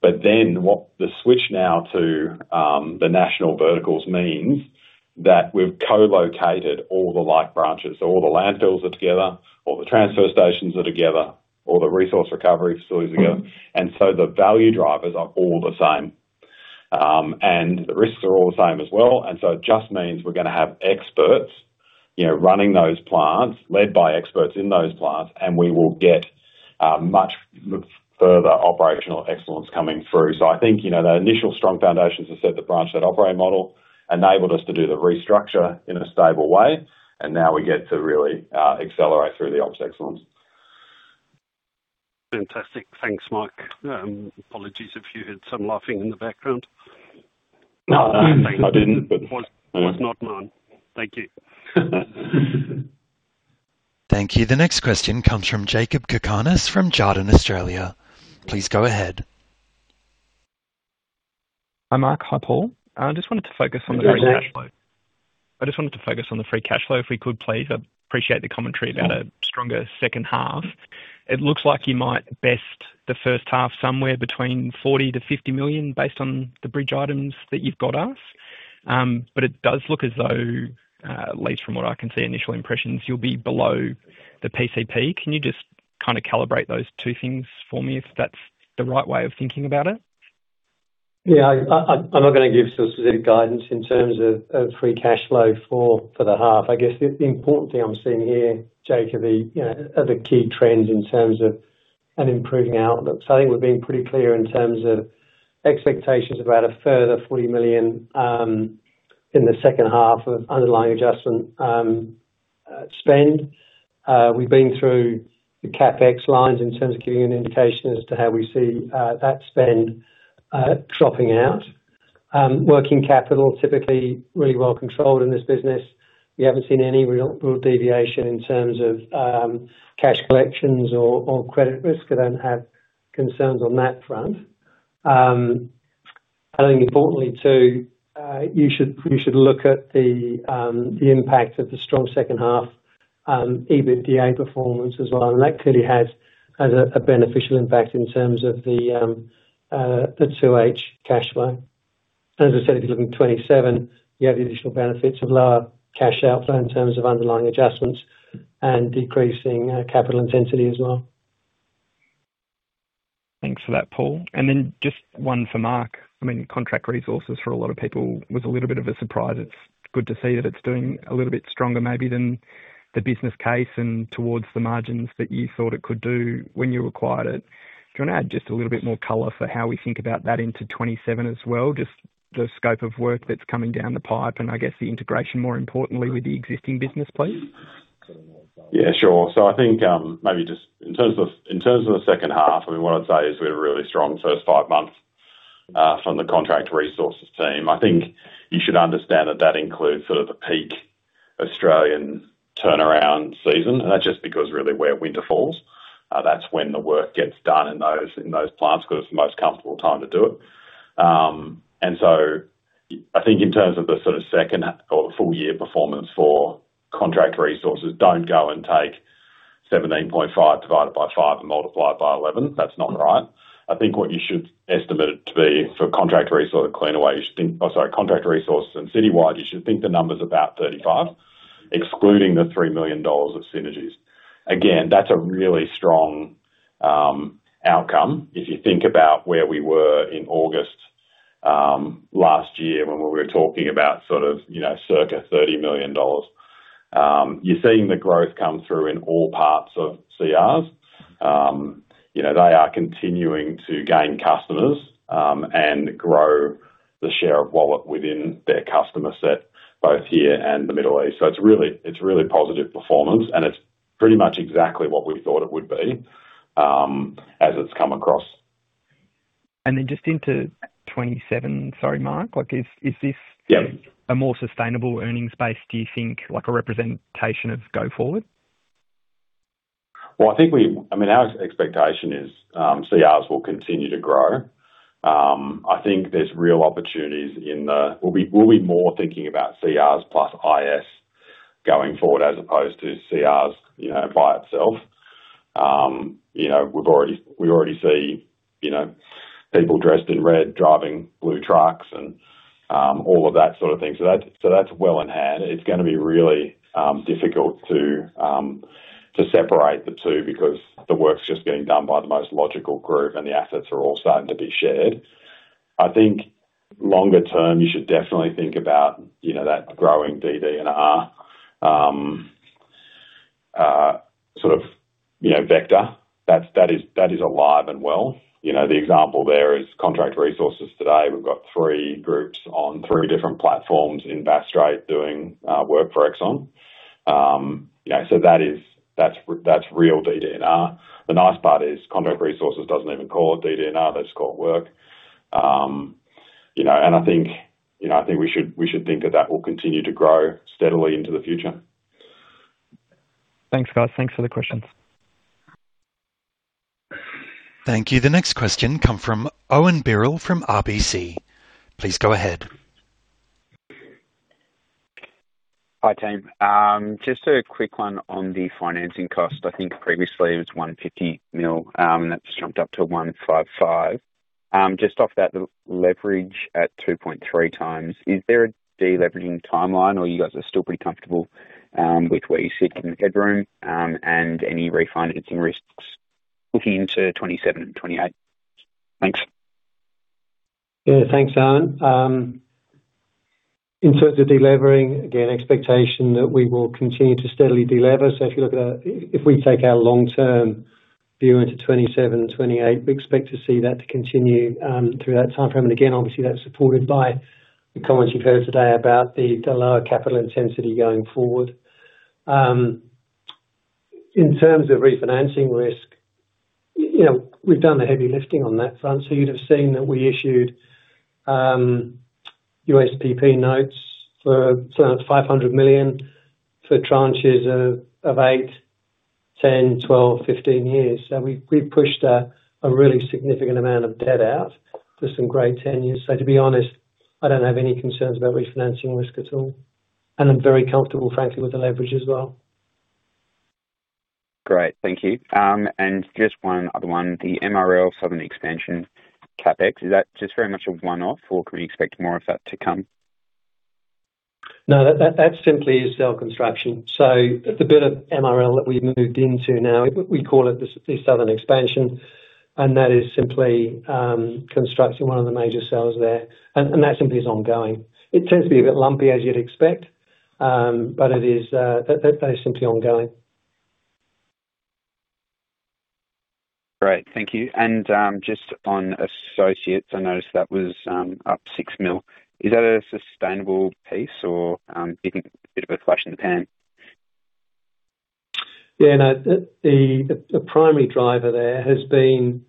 what the switch now to the national verticals means that we've co-located all the like branches. All the landfills are together, all the transfer stations are together, all the resource recovery facilities together. The value drivers are all the same. The risks are all the same as well. It just means we're gonna have experts, you know, running those plants, led by experts in those plants, and we will get much further operational excellence coming through. I think, you know, the initial strong foundations have set the branch, that operating model, enabled us to do the restructure in a stable way, and now we get to really accelerate through the ops excellence. Fantastic. Thanks, Mark. Apologies if you heard some laughing in the background. No, I didn't. It was not mine. Thank you. Thank you. The next question comes from Jakob Cakarnis, from Jarden Australia. Please go ahead. Hi, Mark. Hi, Paul. I just wanted to focus on the free cash flow. I just wanted to focus on the free cash flow, if we could, please. I appreciate the commentary about a stronger second half. It looks like you might best the first half, somewhere between 40 million-50 million, based on the bridge items that you've got us. It does look as though, at least from what I can see, initial impressions, you'll be below the PCP. Can you just kinda calibrate those two things for me, if that's the right way of thinking about it? Yeah, I'm not gonna give specific guidance in terms of free cash flow for the half. I guess the important thing I'm seeing here, Jakob, is, you know, are the key trends in terms of an improving outlook. I think we're being pretty clear in terms of expectations about a further 40 million in the second half of underlying adjustment spend. We've been through the CapEx lines in terms of giving you an indication as to how we see that spend dropping out. Working capital, typically really well controlled in this business. We haven't seen any real deviation in terms of cash collections or credit risk. I don't have concerns on that front. I think importantly too, you should look at the impact of the strong second half EBITDA performance as well. That clearly has a beneficial impact in terms of the 2H cash flow. As I said, if you're looking at 27, you have the additional benefits of lower cash outflow in terms of underlying adjustments and decreasing capital intensity as well. Thanks for that, Paul. Just one for Mark. I mean, Contract Resources for a lot of people was a little bit of a surprise. It's good to see that it's doing a little bit stronger, maybe than the business case and towards the margins that you thought it could do when you acquired it. Do you want to add just a little bit more color for how we think about that into 2027 as well, just the scope of work that's coming down the pipe, and I guess the integration, more importantly, with the existing business, please? Yeah, sure. I think, maybe just in terms of, in terms of the second half, I mean, what I'd say is we had a really strong first five months from the Contract Resources team. I think you should understand that that includes sort of the peak Australian turnaround season, and that's just because really where winter falls, that's when the work gets done in those, in those plants, because it's the most comfortable time to do it. I think in terms of the sort of second or full year performance for Contract Resources, don't go and take 17.5 divided by 5 and multiply it by 11. That's not right. Contract Resources and Citywide, you should think the number's about 35 million, excluding the 3 million dollars of synergies. That's a really strong outcome. If you think about where we were in August last year when we were talking about sort of, you know, circa 30 million dollars. You're seeing the growth come through in all parts of CRs. You know, they are continuing to gain customers and grow the share of wallet within their customer set, both here and the Middle East. It's really positive performance, and it's pretty much exactly what we thought it would be as it's come across. Just into 27, sorry, Mark. Like, is this- Yeah. a more sustainable earnings base, do you think, like a representation of go forward? I mean, our expectation is CRs will continue to grow. I think there's real opportunities in the we'll be more thinking about CRs plus IS going forward, as opposed to CRs, you know, by itself. You know, we already see, you know, people dressed in red, driving blue trucks and all of that sort of thing. That's well in hand. It's gonna be really difficult to separate the two because the work's just getting done by the most logical group, and the assets are all starting to be shared. I think longer term, you should definitely think about, you know, that growing DD&R sort of, you know, vector. That's, that is alive and well. You know, the example there is Contract Resources today, we've got three groups on three different platforms in Bass Strait doing work for Exxon. You know, that is, that's real DD&R. The nice part is Contract Resources doesn't even call it DD&R. They just call it work. You know, I think, you know, I think we should think that that will continue to grow steadily into the future. Thanks, guys. Thanks for the questions. Thank you. The next question come from Owen Birrell from RBC. Please go ahead. Hi, team. Just a quick one on the financing cost. I think previously it was 150 million, that's jumped up to 155 million. Just off that leverage at 2.3x, is there a deleveraging timeline, or you guys are still pretty comfortable with where you sit in the headroom, and any refinancing risks looking into 2027 and 2028? Thanks. Yeah, thanks, Owen. In terms of delevering, again, expectation that we will continue to steadily delever. If we take our long-term view into 2027 and 2028, we expect to see that to continue through that timeframe. Again, obviously, that's supported by the comments you've heard today about the lower capital intensity going forward. In terms of refinancing risk, you know, we've done the heavy lifting on that front. You'd have seen that we issued USPP notes for sort of 500 million for tranches of 8, 10, 12, 15 years. We've pushed a really significant amount of debt out for some great tenures. To be honest, I don't have any concerns about refinancing risk at all, and I'm very comfortable, frankly, with the leverage as well. Great. Thank you. Just one other one, the MRL southern expansion CapEx, is that just very much a one-off or can we expect more of that to come? No, that simply is cell construction. The bit of MRL that we've moved into now, we call it the southern expansion, and that is simply constructing one of the major cells there. That simply is ongoing. It tends to be a bit lumpy, as you'd expect, it is simply ongoing. Great, thank you. Just on associates, I noticed that was up 6 million. Is that a sustainable piece or do you think a bit of a flash in the pan? Yeah, no, the primary driver there has been,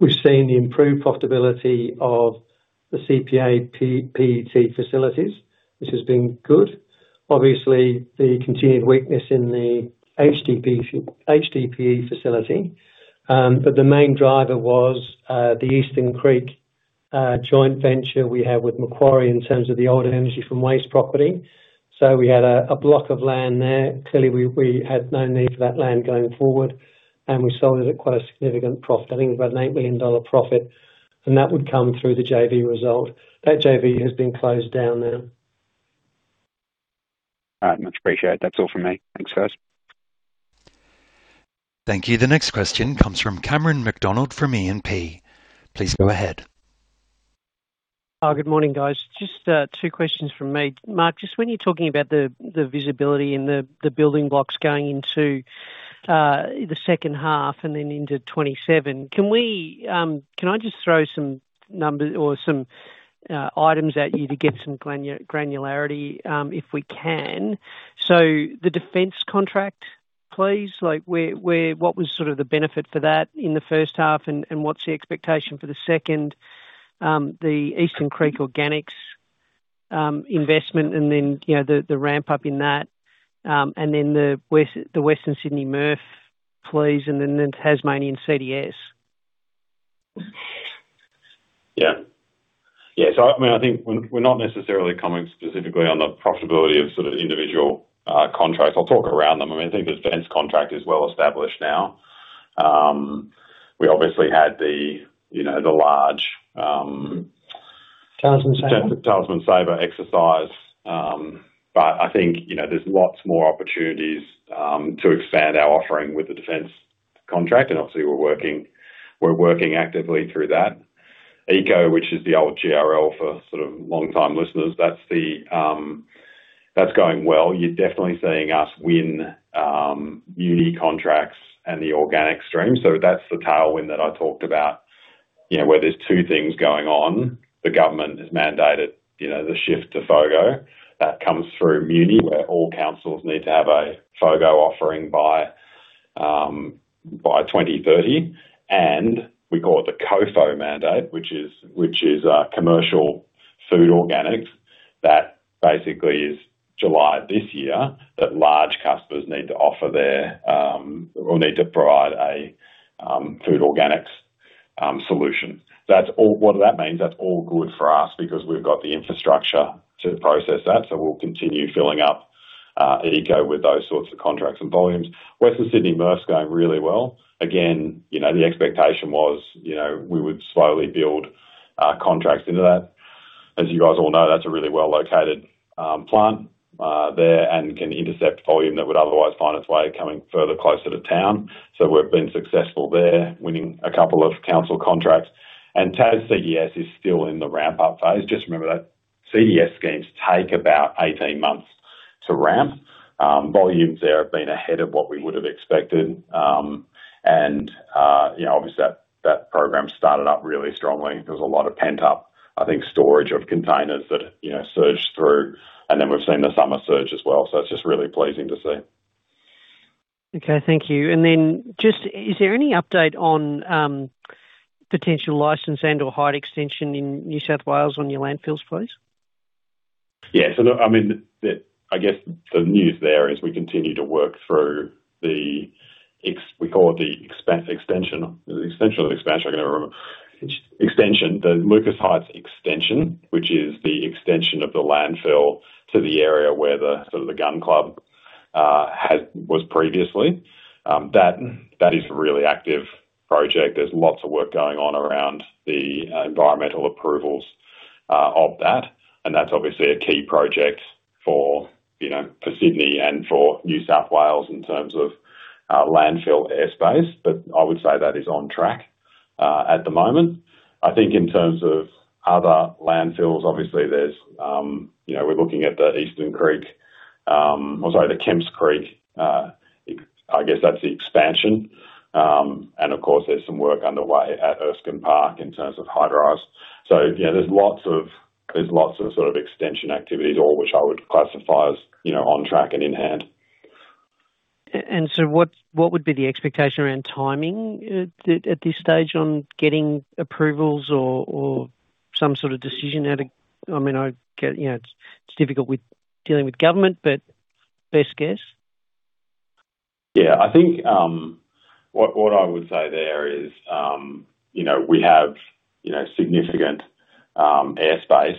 we've seen the improved profitability of the CPA PT facilities, which has been good. Obviously, the continued weakness in the HDPE facility, but the main driver was the Eastern Creek joint venture we have with Macquarie in terms of the old energy from waste property. We had a block of land there. Clearly, we had no need for that land going forward. We sold it at quite a significant profit. I think about an 8 million dollar profit. That would come through the JV result. That JV has been closed down now. All right. Much appreciated. That's all from me. Thanks, guys. Thank you. The next question comes from Cameron McDonald, from E&P. Please go ahead. Oh, good morning, guys. Just two questions from me. Mark, just when you're talking about the visibility and the building blocks going into the second half and then into 2027, can we, can I just throw some numbers or some items at you to get some granularity, if we can? The defense contract, please, like, where what was sort of the benefit for that in the first half, and what's the expectation for the second, the Eastern Creek Organics investment, and then, you know, the ramp-up in that, and then the West, the Western Sydney MRF, please, and then the Tasmanian CDS? Yeah. I mean, I think we're not necessarily commenting specifically on the profitability of sort of individual contracts. I'll talk around them. I mean, I think the defense contract is well established now. We obviously had the, you know, the large. Talisman Sabre. Talisman Sabre exercise. I think, you know, there's lots more opportunities to expand our offering with the defense contract, and obviously we're working actively through that. Eco, which is the old GRL for sort of long-time listeners, that's the, that's going well. You're definitely seeing us win muni contracts and the organic stream. That's the tailwind that I talked about, you know, where there's two things going on. The government has mandated, you know, the shift to FOGO. That comes through muni, where all councils need to have a FOGO offering by 2030. We call it the COFO mandate, which is Commercial Food Organics. That basically is July this year, that large customers need to offer their or need to provide a food organics solution. That's all... What that means, that's all good for us because we've got the infrastructure to process that, so we'll continue filling up Eco with those sorts of contracts and volumes. Western Sydney MRF's going really well. You know, the expectation was, you know, we would slowly build contracts into that. As you guys all know, that's a really well-located plant there, and can intercept volume that would otherwise find its way coming further closer to town. We've been successful there, winning a couple of council contracts. Tas CDS is still in the ramp-up phase. Just remember that CDS schemes take about 18 months to ramp. Volumes there have been ahead of what we would have expected. You know, obviously that program started up really strongly. There was a lot of pent-up, I think, storage of containers that, you know, surged through, and then we've seen the summer surge as well, so it's just really pleasing to see. Okay, thank you. Just, is there any update on, potential license and/or height extension in New South Wales on your landfills, please? Look, I mean, the, I guess the news there is we continue to work through the extension. Is it extension or expansion? I can never remember. Extension. The Lucas Heights Extension, which is the extension of the landfill to the area where the sort of the Gun Club has... Was previously. That is a really active project. There's lots of work going on around the environmental approvals of that, and that's obviously a key project for, you know, for Sydney and for New South Wales in terms of landfill airspace. I would say that is on track at the moment. I think in terms of other landfills, obviously there's, you know, we're looking at the Eastern Creek... I'm sorry, the Kemps Creek. I guess that's the expansion. Of course, there's some work underway at Erskine Park in terms of height raise. You know, there's lots of sort of extension activities, all which I would classify as, you know, on track and in hand. What would be the expectation around timing at this stage on getting approvals or some sort of decision out of... I mean, I get, you know, it's difficult with dealing with government, but best guess? Yeah. I think, what I would say there is, you know, we have, you know, significant airspace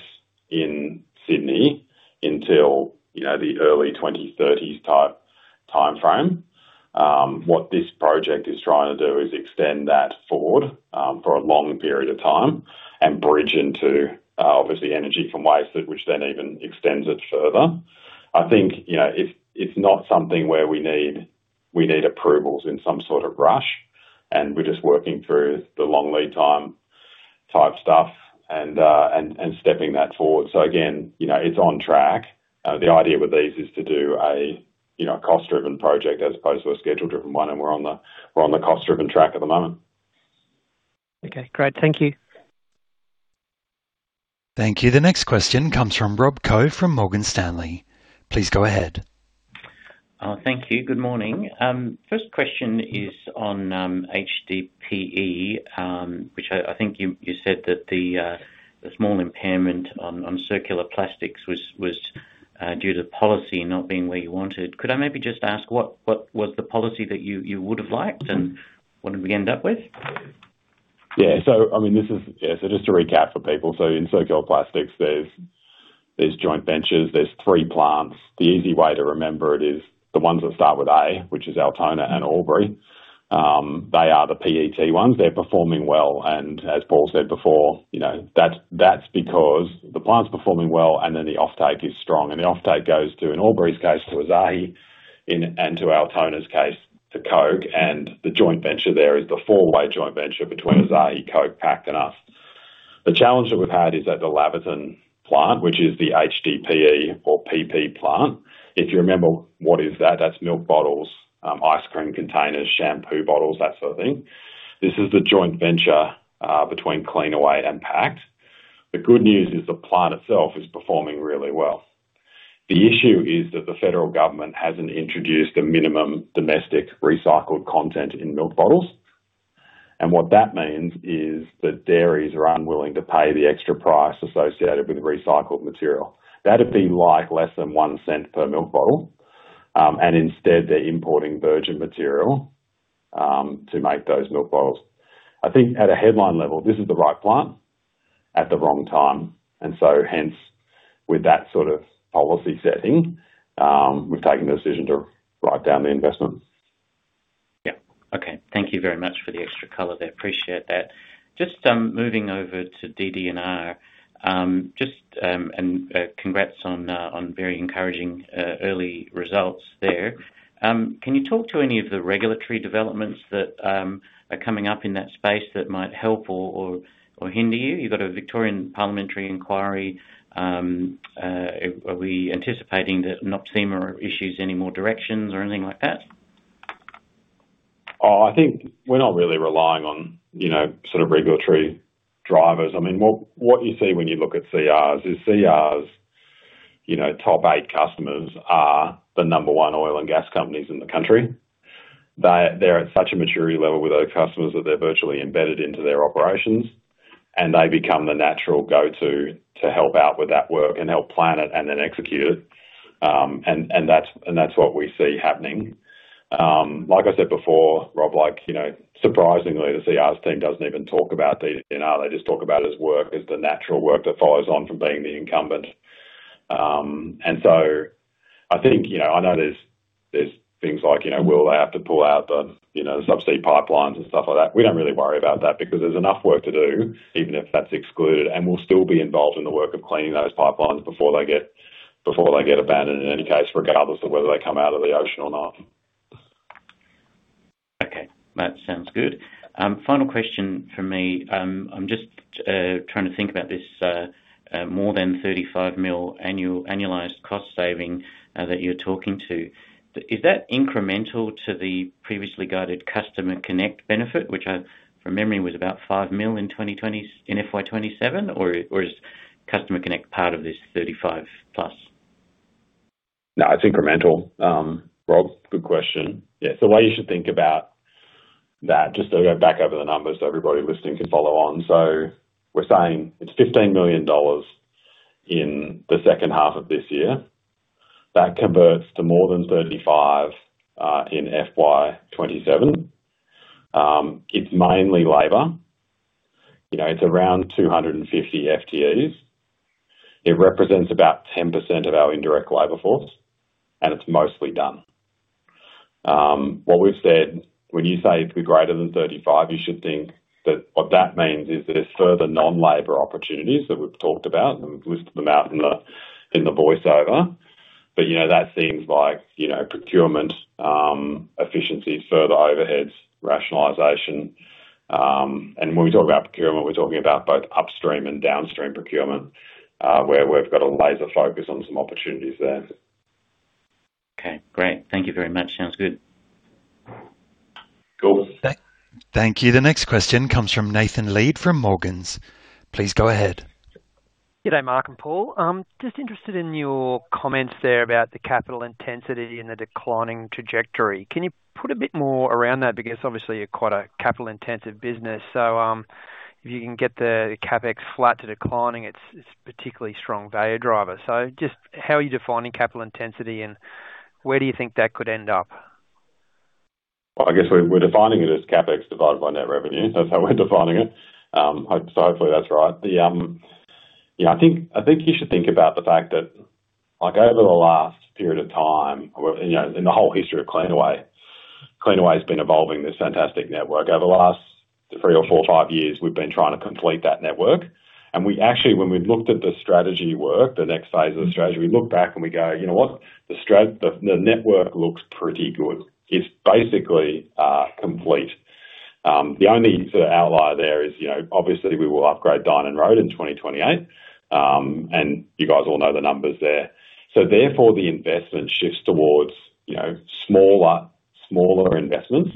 in Sydney until, you know, the early 2030s type timeframe. What this project is trying to do is extend that forward for a long period of time and bridge into obviously energy from waste, that which then even extends it further. I think, you know, it's not something where we need approvals in some sort of rush, and we're just working through the long lead time type stuff and stepping that forward. Again, you know, it's on track. The idea with these is to do a, you know, cost-driven project as opposed to a schedule-driven one, and we're on the cost-driven track at the moment. Okay, great. Thank you. Thank you. The next question comes from Rob Koh from Morgan Stanley. Please go ahead. Thank you. Good morning. First question is on HDPE, which I think you said that the small impairment on Circular Plastics was due to policy not being where you wanted. Could I maybe just ask what was the policy that you would have liked- Mm-hmm. What did we end up with? I mean, just to recap for people, in Circular Plastics Australia, there's joint ventures, there's 3 plants. The easy way to remember it is the ones that start with A, which is Altona and Albury, they are the PET ones. They're performing well, as Paul said before, you know, that's because the plant's performing well, then the offtake is strong. The offtake goes to, in Albury's case, to Asahi, in and to Altona's case, to Coke, the joint venture there is the 4-way joint venture between Asahi, Coke, Pact, and us. The challenge that we've had is at the Laverton plant, which is the HDPE or PP plant. If you remember, what is that? That's milk bottles, ice cream containers, shampoo bottles, that sort of thing. This is the joint venture between Cleanaway and Pact. The good news is the plant itself is performing really well. The issue is that the federal government hasn't introduced a minimum domestic recycled content in milk bottles. What that means is that dairies are unwilling to pay the extra price associated with recycled material. That'd be like less than 0.01 per milk bottle. Instead, they're importing virgin material to make those milk bottles. I think at a headline level, this is the right plant at the wrong time. Hence, with that sort of policy setting, we've taken the decision to write down the investment. Yeah. Okay. Thank you very much for the extra color there. Appreciate that. Just moving over to DD&R, just congrats on very encouraging early results there. Can you talk to any of the regulatory developments that are coming up in that space that might help or hinder you? You've got a Victorian parliamentary inquiry, are we anticipating that NOPSEMA issues any more directions or anything like that? I think we're not really relying on, you know, sort of regulatory drivers. I mean, what you see when you look at CRs, you know, top eight customers are the number one oil and gas companies in the country. They're at such a maturity level with those customers that they're virtually embedded into their operations, and they become the natural go-to to help out with that work and help plan it and then execute it. That's what we see happening. Like I said before, Rob, like, you know, surprisingly, the CRs team doesn't even talk about DD&R. They just talk about it as work, as the natural work that follows on from being the incumbent. I think, you know, I know there's things like, you know, will they have to pull out the, you know, the subsidy pipelines and stuff like that. We don't really worry about that because there's enough work to do, even if that's excluded, and we'll still be involved in the work of cleaning those pipelines before they get abandoned in any case, regardless of whether they come out of the ocean or not. Okay, that sounds good. Final question from me. I'm just trying to think about this more than 35 million annual, annualized cost saving that you're talking to. Is that incremental to the previously guided Customer Connect benefit, which I, from memory, was about 5 million in FY27, or is Customer Connect part of this 35 plus? No, it's incremental. Rob Koh, good question. The way you should think about that, just to go back over the numbers so everybody listening can follow on. We're saying it's 15 million dollars in the second half of this year. That converts to more than 35 million in FY27. It's mainly labor. You know, it's around 250 FTEs. It represents about 10% of our indirect labor force, and it's mostly done. What we've said, when you say it'll be greater than 35 million, you should think that what that means is that there's further non-labor opportunities that we've talked about, and we've listed them out in the voiceover. You know, that seems like, you know, procurement, efficiency, further overheads, rationalization. When we talk about procurement, we're talking about both upstream and downstream procurement, where we've got a laser focus on some opportunities there. Okay, great. Thank you very much. Sounds good. Cool. Thank you. The next question comes from Nathan Lead from Morgans. Please go ahead. G'day, Mark and Paul. Just interested in your comments there about the capital intensity and the declining trajectory. Can you put a bit more around that? It's obviously quite a capital-intensive business, if you can get the CapEx flat to declining, it's particularly strong value driver. Just how are you defining capital intensity, and where do you think that could end up? Well, I guess we're defining it as CapEx divided by net revenue. That's how we're defining it. Hopefully that's right. Yeah, I think you should think about the fact that, like over the last period of time, or, you know, in the whole history of Cleanaway's been evolving this fantastic network. Over the last 3 or 4 or 5 years, we've been trying to complete that network. We actually when we've looked at the strategy work, the next phase of the strategy, we look back and we go, "You know what? The network looks pretty good." It's basically complete. The only sort of outlier there is, you know, obviously we will upgrade Dynon Road in 2028. You guys all know the numbers there. Therefore, the investment shifts towards, you know, smaller investments,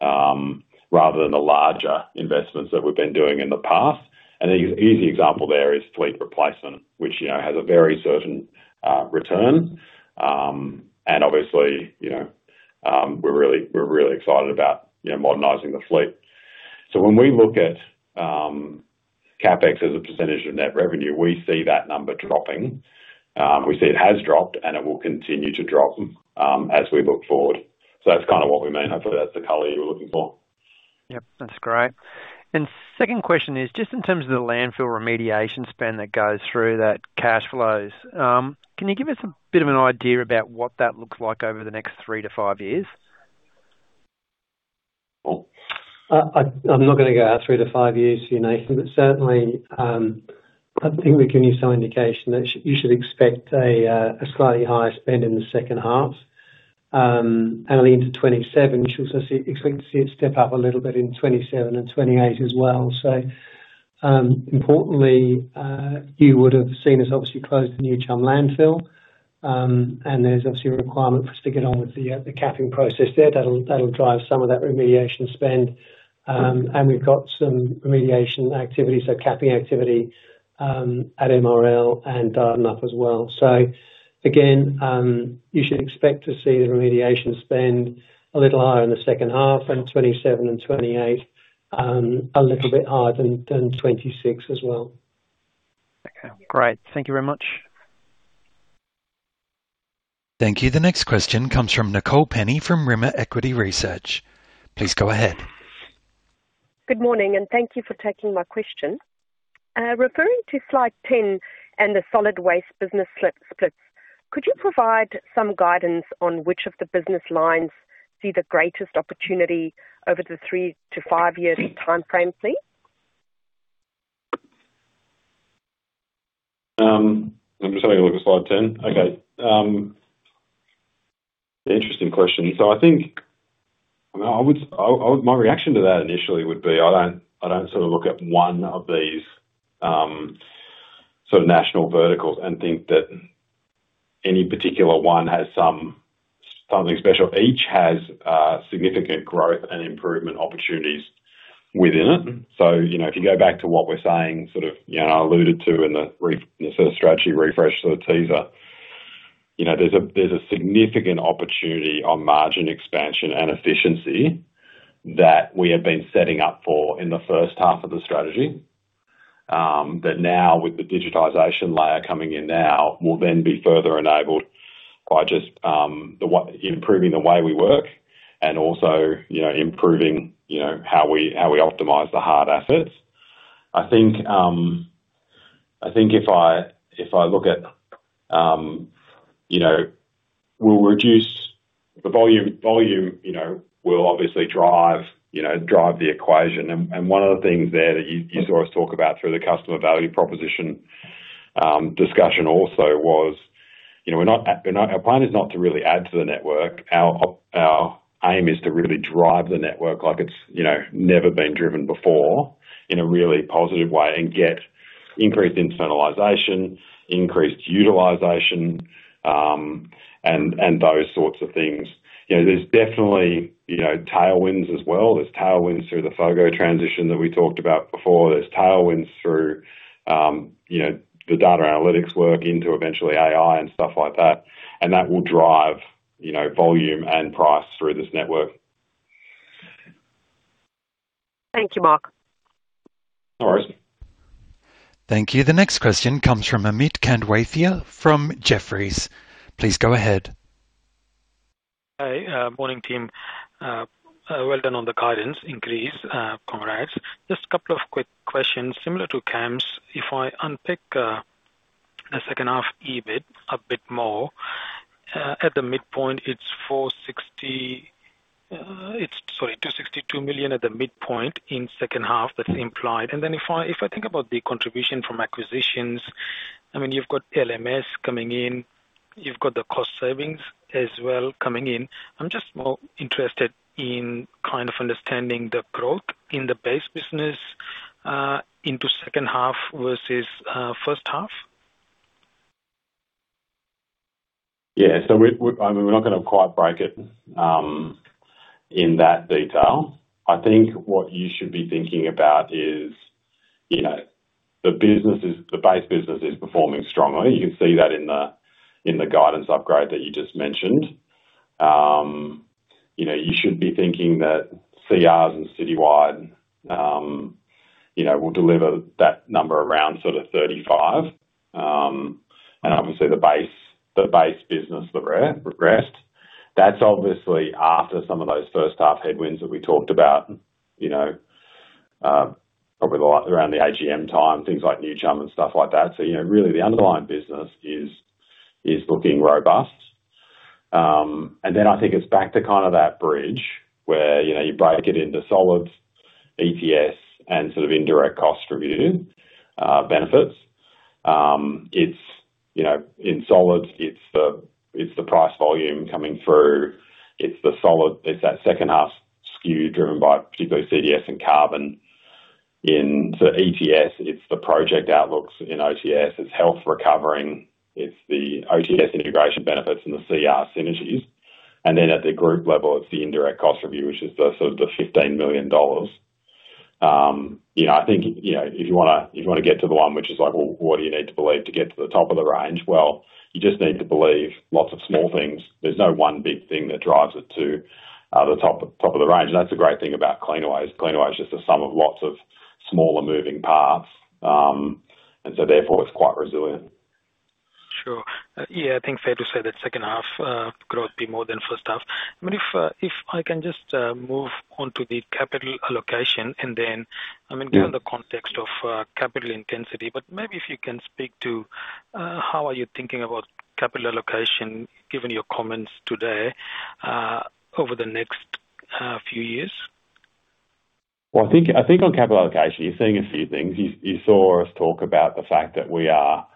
rather than the larger investments that we've been doing in the past. An easy example there is fleet replacement, which, you know, has a very certain return. Obviously, you know, we're really excited about, you know, modernizing the fleet. When we look at CapEx as a percentage of net revenue, we see that number dropping. We see it has dropped, and it will continue to drop as we look forward. That's kind of what we mean. Hopefully, that's the color you were looking for. Yep, that's great. Second question is, just in terms of the landfill remediation spend that goes through that cash flows, can you give us a bit of an idea about what that looks like over the next three to five years? I'm not gonna go out 3-5 years, you know, but certainly, I think we can give you some indication that you should expect a slightly higher spend in the second half, and into 2027, you should also expect to see it step-up a little bit in 2027 and 2028 as well. Importantly, you would have seen us obviously close the New Chum landfill, and there's obviously a requirement for us to get on with the capping process there. That'll drive some of that remediation spend. And we've got some remediation activity, so capping activity, at MRL and Dardanup as well. Again, you should expect to see the remediation spend a little higher in the second half, and 27 and 28, a little bit higher than 26 as well. Okay, great. Thank you very much. Thank you. The next question comes from Nicole Penny from Rimor Equity Research. Please go ahead. Good morning, and thank you for taking my question. Referring to slide 10 and the Solid Waste business splits, could you provide some guidance on which of the business lines see the greatest opportunity over the 3-5-year timeframe, please? I'm just having a look at slide 10. Okay. Interesting question. I think, I mean, My reaction to that initially would be, I don't, I don't sort of look at one of these sort of national verticals and think that any particular one has something special. Each has significant growth and improvement opportunities within it. You know, if you go back to what we're saying, you know, I alluded to in the sort of strategy refresh sort of teaser. You know, there's a significant opportunity on margin expansion and efficiency that we have been setting up for in the first half of the strategy. That now with the digitization layer coming in now, will then be further enabled by just improving the way we work and also, you know, improving, you know, how we optimize the hard assets. I think, if I look at, you know, we'll reduce the volume, you know, will obviously drive, you know, drive the equation. One of the things there that you saw us talk about through the customer value proposition discussion also was, you know, we're not our plan is not to really add to the network. Our aim is to really drive the network like it's, you know, never been driven before in a really positive way and get increased internalization, increased utilization, and those sorts of things. You know, there's definitely, you know, tailwinds as well. There's tailwinds through the FOGO transition that we talked about before. There's tailwinds through, you know, the data analytics work into eventually AI and stuff like that. That will drive, you know, volume and price through this network. Thank you, Mark. No worries. Thank you. The next question comes from Amit Kanwatia from Jefferies. Please go ahead. Hi. Morning, team. Well done on the guidance increase, congrats. Just a couple of quick questions similar to Cam's. If I unpick the second half EBIT a bit more, at the midpoint, it's 460. It's, sorry, 262 million at the midpoint in second half, that's implied. If I think about the contribution from acquisitions, I mean, you've got LMS coming in, you've got the cost savings as well coming in. I'm just more interested in kind of understanding the growth in the base business into second half versus first half. We, we, I mean, we're not gonna quite break it in that detail. I think what you should be thinking about is, you know, the base business is performing strongly. You can see that in the guidance upgrade that you just mentioned. You know, you should be thinking that CRs and Citywide, you know, will deliver that number around sort of 35. Obviously the base, the base business, the rest, that's obviously after some of those first half headwinds that we talked about, you know, probably like around the AGM time, things like New Chum and stuff like that. You know, really the underlying business is looking robust. I think it's back to kind of that bridge where, you know, you break it into Solids, ETS, and sort of indirect cost review benefits. You know, in Solids, it's the price volume coming through. It's that second half skew, driven by particularly CDS and carbon. In the ETS, it's the project outlooks. In OTS, it's health recovering, it's the OTS integration benefits and the CR synergies. At the group level, it's the indirect cost review, which is the sort of the 15 million dollars. You know, I think, you know, if you wanna, if you wanna get to the one, which is like, well, what do you need to believe to get to the top of the range? Well, you just need to believe lots of small things. There's no one big thing that drives it to the top of the range. That's the great thing about Cleanaway. Cleanaway is just the sum of lots of smaller moving parts, therefore, it's quite resilient. Sure. Yeah, I think fair to say that second half growth be more than first half. I mean, if I can just move on to the capital allocation and then, I mean… Yeah... given the context of, capital intensity. How are you thinking about capital allocation, given your comments today, over the next, few years? I think on capital allocation, you're seeing a few things. You saw us talk about the fact that we are,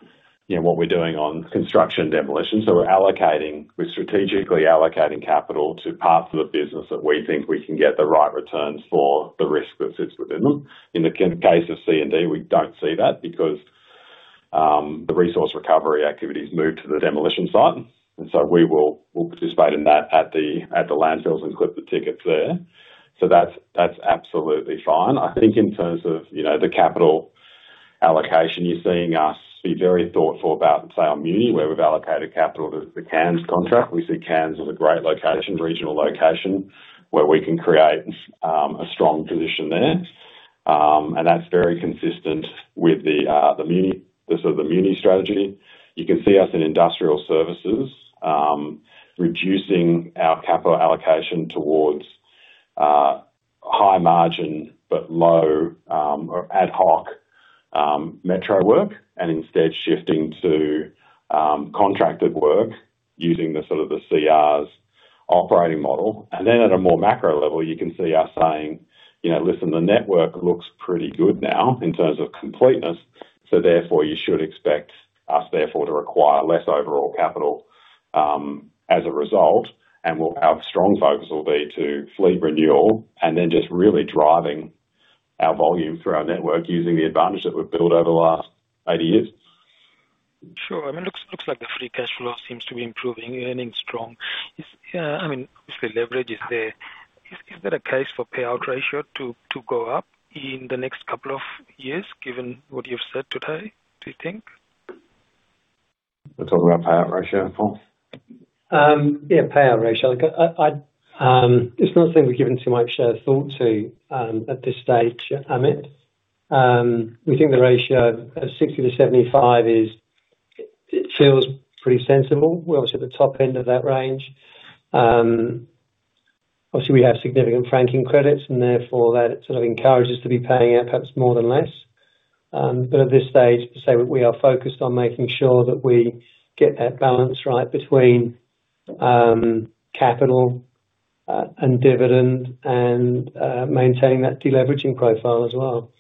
you know, what we're doing on construction and demolition, we're strategically allocating capital to parts of the business that we think we can get the right returns for the risk that sits within them. In the case of C&D, we don't see that because the resource recovery activities move to the demolition site, we'll participate in that at the landfills and clip the tickets there. That's absolutely fine. I think in terms of, you know, the capital allocation, you're seeing us be very thoughtful about, say, our muni, where we've allocated capital to the Cairns contract. We see Cairns as a great location, regional location, where we can create a strong position there. That's very consistent with the muni, the sort of the muni strategy. You can see us in Industrial Services reducing our capital allocation towards high margin, but low, or ad hoc, metro work, and instead shifting to contracted work using the sort of the CR's operating model. Then at a more macro level, you can see us saying: "You know, listen, the network looks pretty good now in terms of completeness, so therefore, you should expect us therefore to require less overall capital as a result, and our strong focus will be to fleet renewal and then just really driving our volume through our network using the advantage that we've built over the last 80 years. Sure. I mean, looks like the free cash flow seems to be improving, earning strong. I mean, obviously, leverage is there. Is there a case for payout ratio to go up in the next couple of years, given what you've said today, do you think? We're talking about payout ratio, Paul? Payout ratio. It's not something we've given too much thought to at this stage, Amit. We think the ratio of 60-75 feels pretty sensible. We're obviously at the top end of that range. Obviously, we have significant franking credits, that sort of encourages to be paying out perhaps more than less. At this stage, we are focused on making sure that we get that balance right between capital and dividend and maintaining that deleveraging profile as well.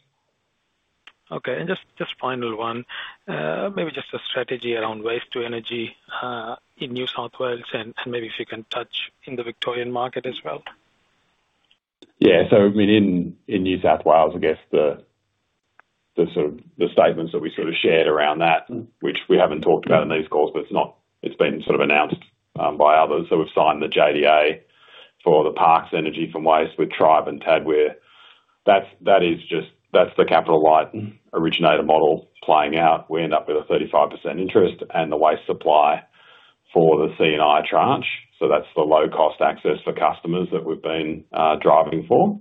Okay. Just final one, maybe just a strategy around waste to energy in New South Wales, and maybe if you can touch in the Victorian market as well? I mean, in New South Wales, I guess the sort of, the statements that we sort of shared around that, which we haven't talked about in these calls, but it's been sort of announced by others. We've signed the JDA for the Parkes Energy from Waste with Tribe and Tadweer. That is just the capital light originator model playing out. We end up with a 35% interest and the waste supply for the C&I tranche, so that's the low cost access for customers that we've been driving for.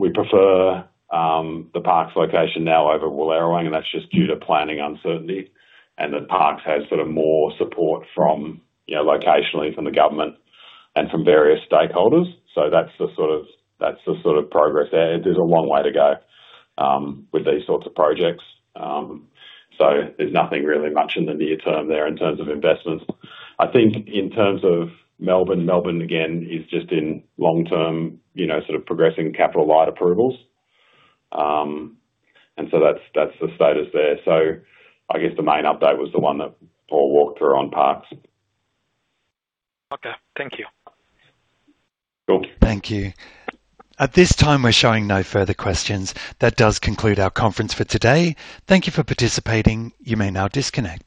We prefer the Parkes location now over Willawarrin, and that's just due to planning uncertainty and that Parkes has sort of more support from, you know, locationally from the government and from various stakeholders. That's the sort of progress there. There's a long way to go with these sorts of projects. There's nothing really much in the near term there in terms of investments. I think in terms of Melbourne, again, is just in long term, you know, sort of progressing capital light approvals. That's, that's the status there. I guess the main update was the one that Paul walked through on Parkes. Okay. Thank you. Cool. Thank you. At this time, we're showing no further questions. That does conclude our conference for today. Thank you for participating. You may now disconnect.